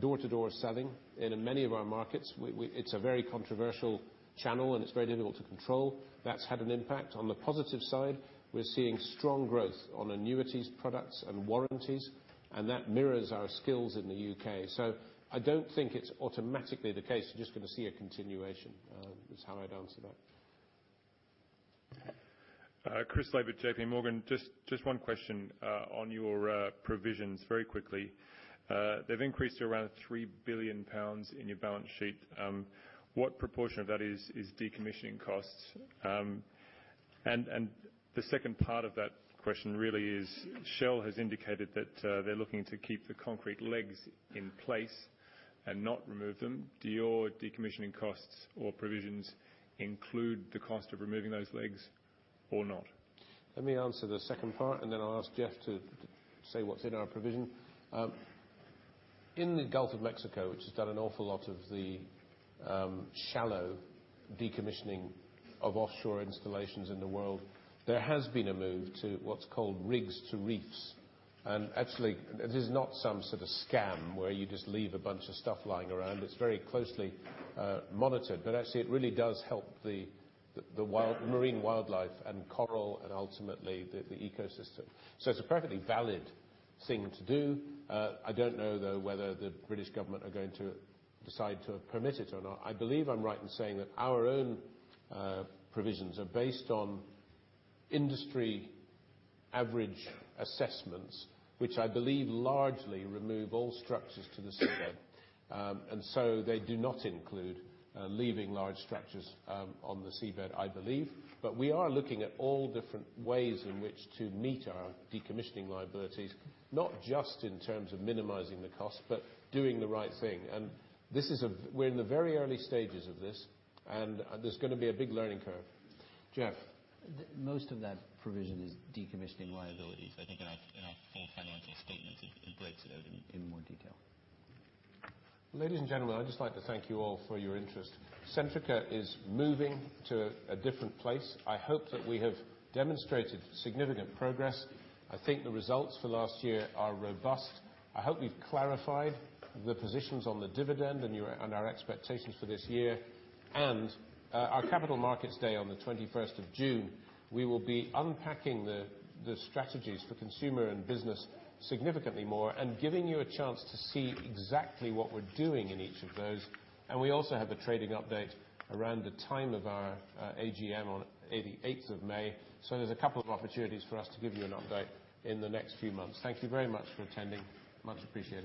door-to-door selling in many of our markets. It's a very controversial channel, and it's very difficult to control. That's had an impact. On the positive side, we're seeing strong growth on annuities products and warranties, and that mirrors our skills in the U.K. I don't think it's automatically the case you're just going to see a continuation, is how I'd answer that. Chris Laverty, JP Morgan. Just one question on your provisions very quickly. They've increased to around 3 billion pounds in your balance sheet. What proportion of that is decommissioning costs? The second part of that question really is, Shell has indicated that they're looking to keep the concrete legs in place and not remove them. Do your decommissioning costs or provisions include the cost of removing those legs or not? Let me answer the second part, and then I'll ask Jeff to say what's in our provision. In the Gulf of Mexico, which has done an awful lot of the shallow decommissioning of offshore installations in the world, there has been a move to what's called rigs to reefs. Actually, it is not some sort of scam where you just leave a bunch of stuff lying around. It's very closely monitored, but actually it really does help the marine wildlife and coral and ultimately the ecosystem. It's a perfectly valid thing to do. I don't know, though, whether the British government are going to decide to permit it or not. I believe I'm right in saying that our own provisions are based on industry average assessments, which I believe largely remove all structures to the seabed. They do not include leaving large structures on the seabed, I believe. We are looking at all different ways in which to meet our decommissioning liabilities, not just in terms of minimizing the cost, but doing the right thing. We're in the very early stages of this, and there's going to be a big learning curve. Jeff? Most of that provision is decommissioning liabilities. I think in our full financial statements, it breaks it out in more detail. Ladies and gentlemen, I'd just like to thank you all for your interest. Centrica is moving to a different place. I hope that we have demonstrated significant progress. I think the results for last year are robust. I hope we've clarified the positions on the dividend and our expectations for this year, and our capital markets day on the 21st of June, we will be unpacking the strategies for Consumer and Business significantly more and giving you a chance to see exactly what we're doing in each of those. We also have a trading update around the time of our AGM on the 8th of May. There's a couple of opportunities for us to give you an update in the next few months. Thank you very much for attending. Much appreciated.